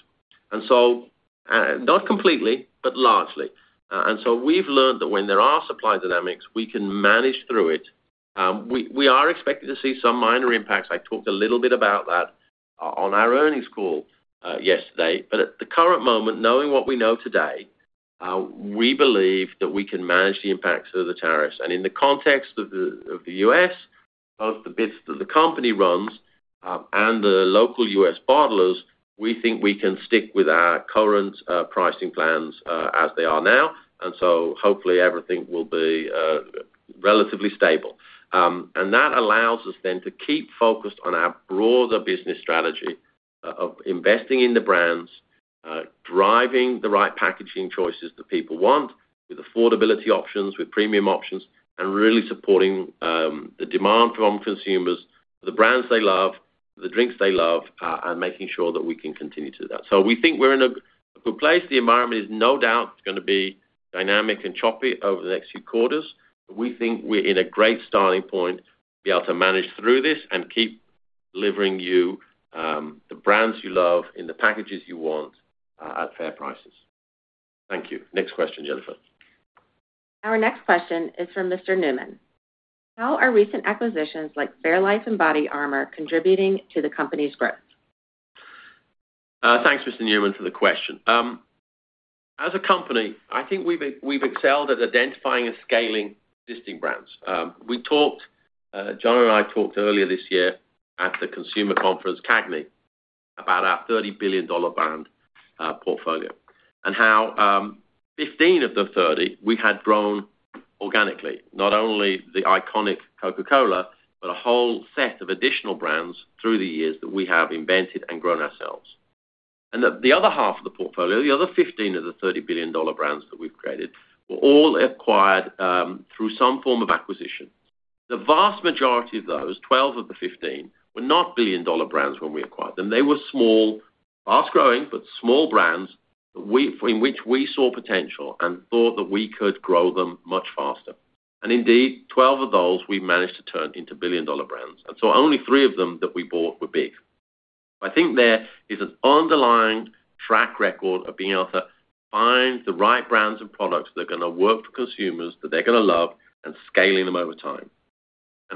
Not completely, but largely. We've learned that when there are supply dynamics, we can manage through it. We are expected to see some minor impacts. I talked a little bit about that on our earnings call yesterday. At the current moment, knowing what we know today, we believe that we can manage the impacts of the tariffs. In the context of the U.S., both the bits that the company runs and the local U.S. bottlers, we think we can stick with our current pricing plans as they are now. Hopefully, everything will be relatively stable. That allows us then to keep focused on our broader business strategy of investing in the brands, driving the right packaging choices that people want, with affordability options, with premium options, and really supporting the demand from consumers for the brands they love, the drinks they love, and making sure that we can continue to do that. We think we're in a good place. The environment is no doubt going to be dynamic and choppy over the next few quarters. We think we're in a great starting point to be able to manage through this and keep delivering you the brands you love in the packages you want at fair prices. Thank you. Next question, Jennifer. Our next question is from Mr. Newman. How are recent acquisitions like fairlife and BODYARMOR contributing to the company's growth? Thanks, Mr. Newman, for the question. As a company, I think we've excelled at identifying and scaling existing brands. John and I talked earlier this year at the consumer conference, CAGMI, about our $30 billion brand portfolio and how 15 of the 30 we had grown organically, not only the iconic Coca-Cola, but a whole set of additional brands through the years that we have invented and grown ourselves. The other half of the portfolio, the other 15 of the $30 billion brands that we've created, were all acquired through some form of acquisition. The vast majority of those, 12 of the 15, were not billion dollar brands when we acquired them. They were small, fast-growing, but small brands in which we saw potential and thought that we could grow them much faster. Indeed, 12 of those we managed to turn into billion dollar brands. Only three of them that we bought were big. I think there is an underlying track record of being able to find the right brands and products that are going to work for consumers, that they're going to love, and scaling them over time.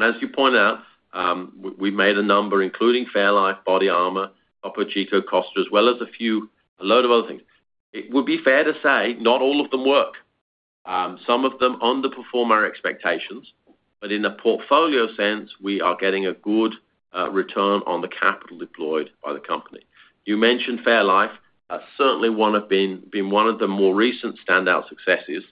As you point out, we've made a number, including Fairlife, BODYARMOR, Topo Chico, Costa, as well as a few, a load of other things. It would be fair to say not all of them work. Some of them underperform our expectations. In a portfolio sense, we are getting a good return on the capital deployed by the company. You mentioned Fairlife. Certainly, one of the more recent standout successes.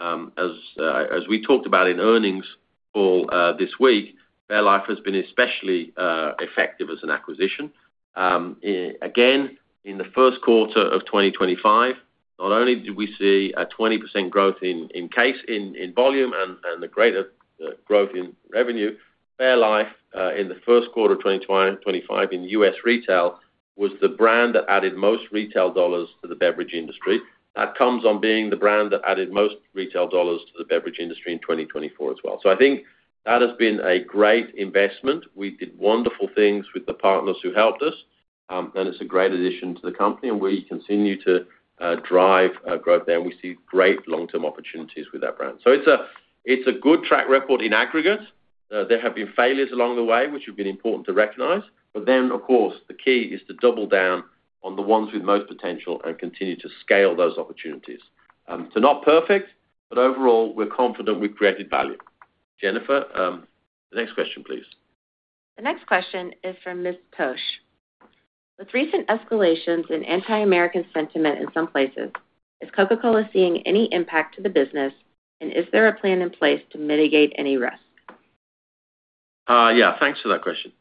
As we talked about in earnings call this week, Fairlife has been especially effective as an acquisition. Again, in the first quarter of 2025, not only did we see a 20% growth in volume and the greater growth in revenue, Fairlife in the first quarter of 2025 in US retail was the brand that added most retail dollars to the beverage industry. That comes on being the brand that added most retail dollars to the beverage industry in 2024 as well. I think that has been a great investment. We did wonderful things with the partners who helped us. It's a great addition to the company. We continue to drive growth there. We see great long-term opportunities with that brand. It's a good track record in aggregate. There have been failures along the way, which have been important to recognize. Of course, the key is to double down on the ones with most potential and continue to scale those opportunities. They're not perfect, but overall, we're confident we've created value. Jennifer, the next question, please. The next question is from Ms. Tosh. With recent escalations in anti-American sentiment in some places, is Coca-Cola seeing any impact to the business? Is there a plan in place to mitigate any risk? Yeah. Thanks for that question.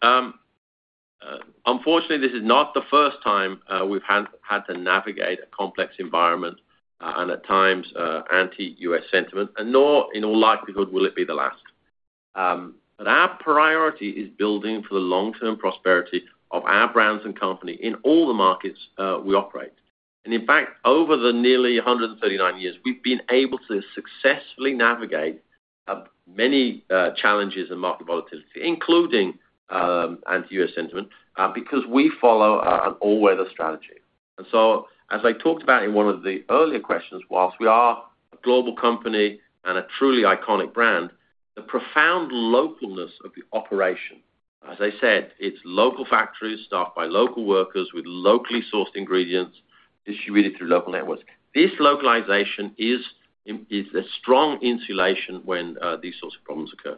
Unfortunately, this is not the first time we've had to navigate a complex environment and at times anti-U.S. sentiment. Nor in all likelihood will it be the last. Our priority is building for the long-term prosperity of our brands and company in all the markets we operate. In fact, over the nearly 139 years, we've been able to successfully navigate many challenges and market volatility, including anti-U.S. sentiment, because we follow an all-weather strategy. As I talked about in one of the earlier questions, whilst we are a global company and a truly iconic brand, the profound localness of the operation, as I said, it's local factories staffed by local workers with locally sourced ingredients distributed through local networks. This localization is a strong insulation when these sorts of problems occur.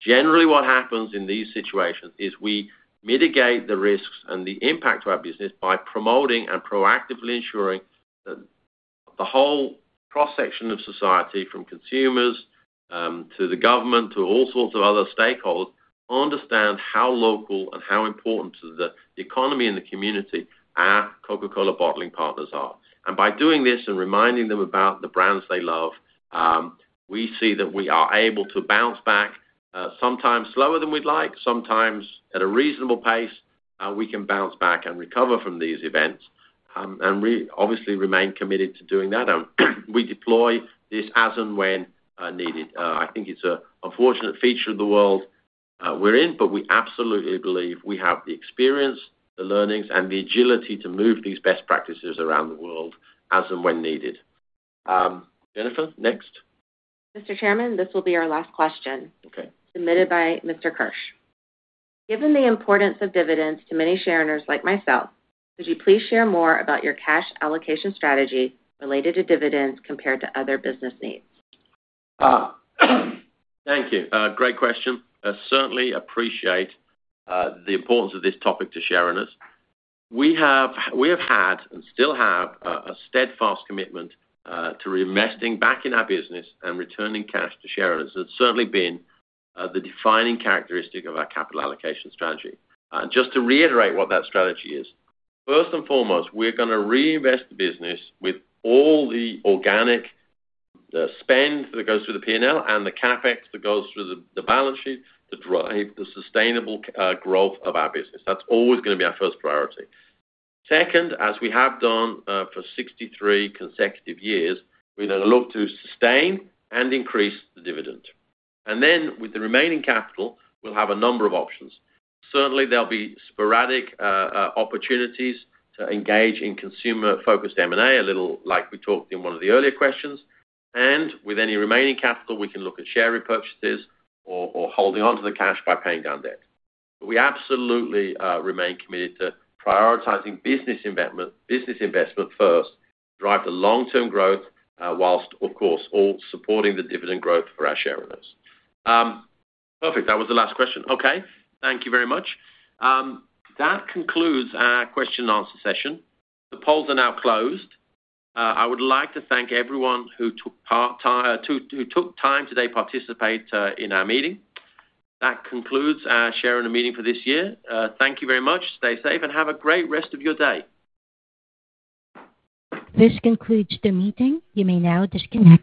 Generally, what happens in these situations is we mitigate the risks and the impact of our business by promoting and proactively ensuring that the whole cross-section of society, from consumers to the government to all sorts of other stakeholders, understand how local and how important to the economy and the community our Coca-Cola bottling partners are. By doing this and reminding them about the brands they love, we see that we are able to bounce back, sometimes slower than we'd like, sometimes at a reasonable pace. We can bounce back and recover from these events and obviously remain committed to doing that. We deploy this as and when needed. I think it's an unfortunate feature of the world we're in, but we absolutely believe we have the experience, the learnings, and the agility to move these best practices around the world as and when needed. Jennifer, next. Mr. Chairman, this will be our last question. Okay. Submitted by Mr. Kirsch. Given the importance of dividends to many shareowners like myself, could you please share more about your cash allocation strategy related to dividends compared to other business needs? Thank you. Great question. I certainly appreciate the importance of this topic to shareowners. We have had and still have a steadfast commitment to reinvesting back in our business and returning cash to shareowners. It's certainly been the defining characteristic of our capital allocation strategy. Just to reiterate what that strategy is, first and foremost, we're going to reinvest the business with all the organic spend that goes through the P&L and the CapEx that goes through the balance sheet to drive the sustainable growth of our business. That's always going to be our first priority. Second, as we have done for 63 consecutive years, we're going to look to sustain and increase the dividend. With the remaining capital, we'll have a number of options. Certainly, there'll be sporadic opportunities to engage in consumer-focused M&A, a little like we talked in one of the earlier questions. With any remaining capital, we can look at share repurchases or holding onto the cash by paying down debt. We absolutely remain committed to prioritizing business investment first to drive the long-term growth whilst, of course, all supporting the dividend growth for our shareowners. Perfect. That was the last question. Okay. Thank you very much. That concludes our question and answer session. The polls are now closed. I would like to thank everyone who took time today to participate in our meeting. That concludes our shareowner meeting for this year. Thank you very much. Stay safe and have a great rest of your day. This concludes the meeting. You may now disconnect.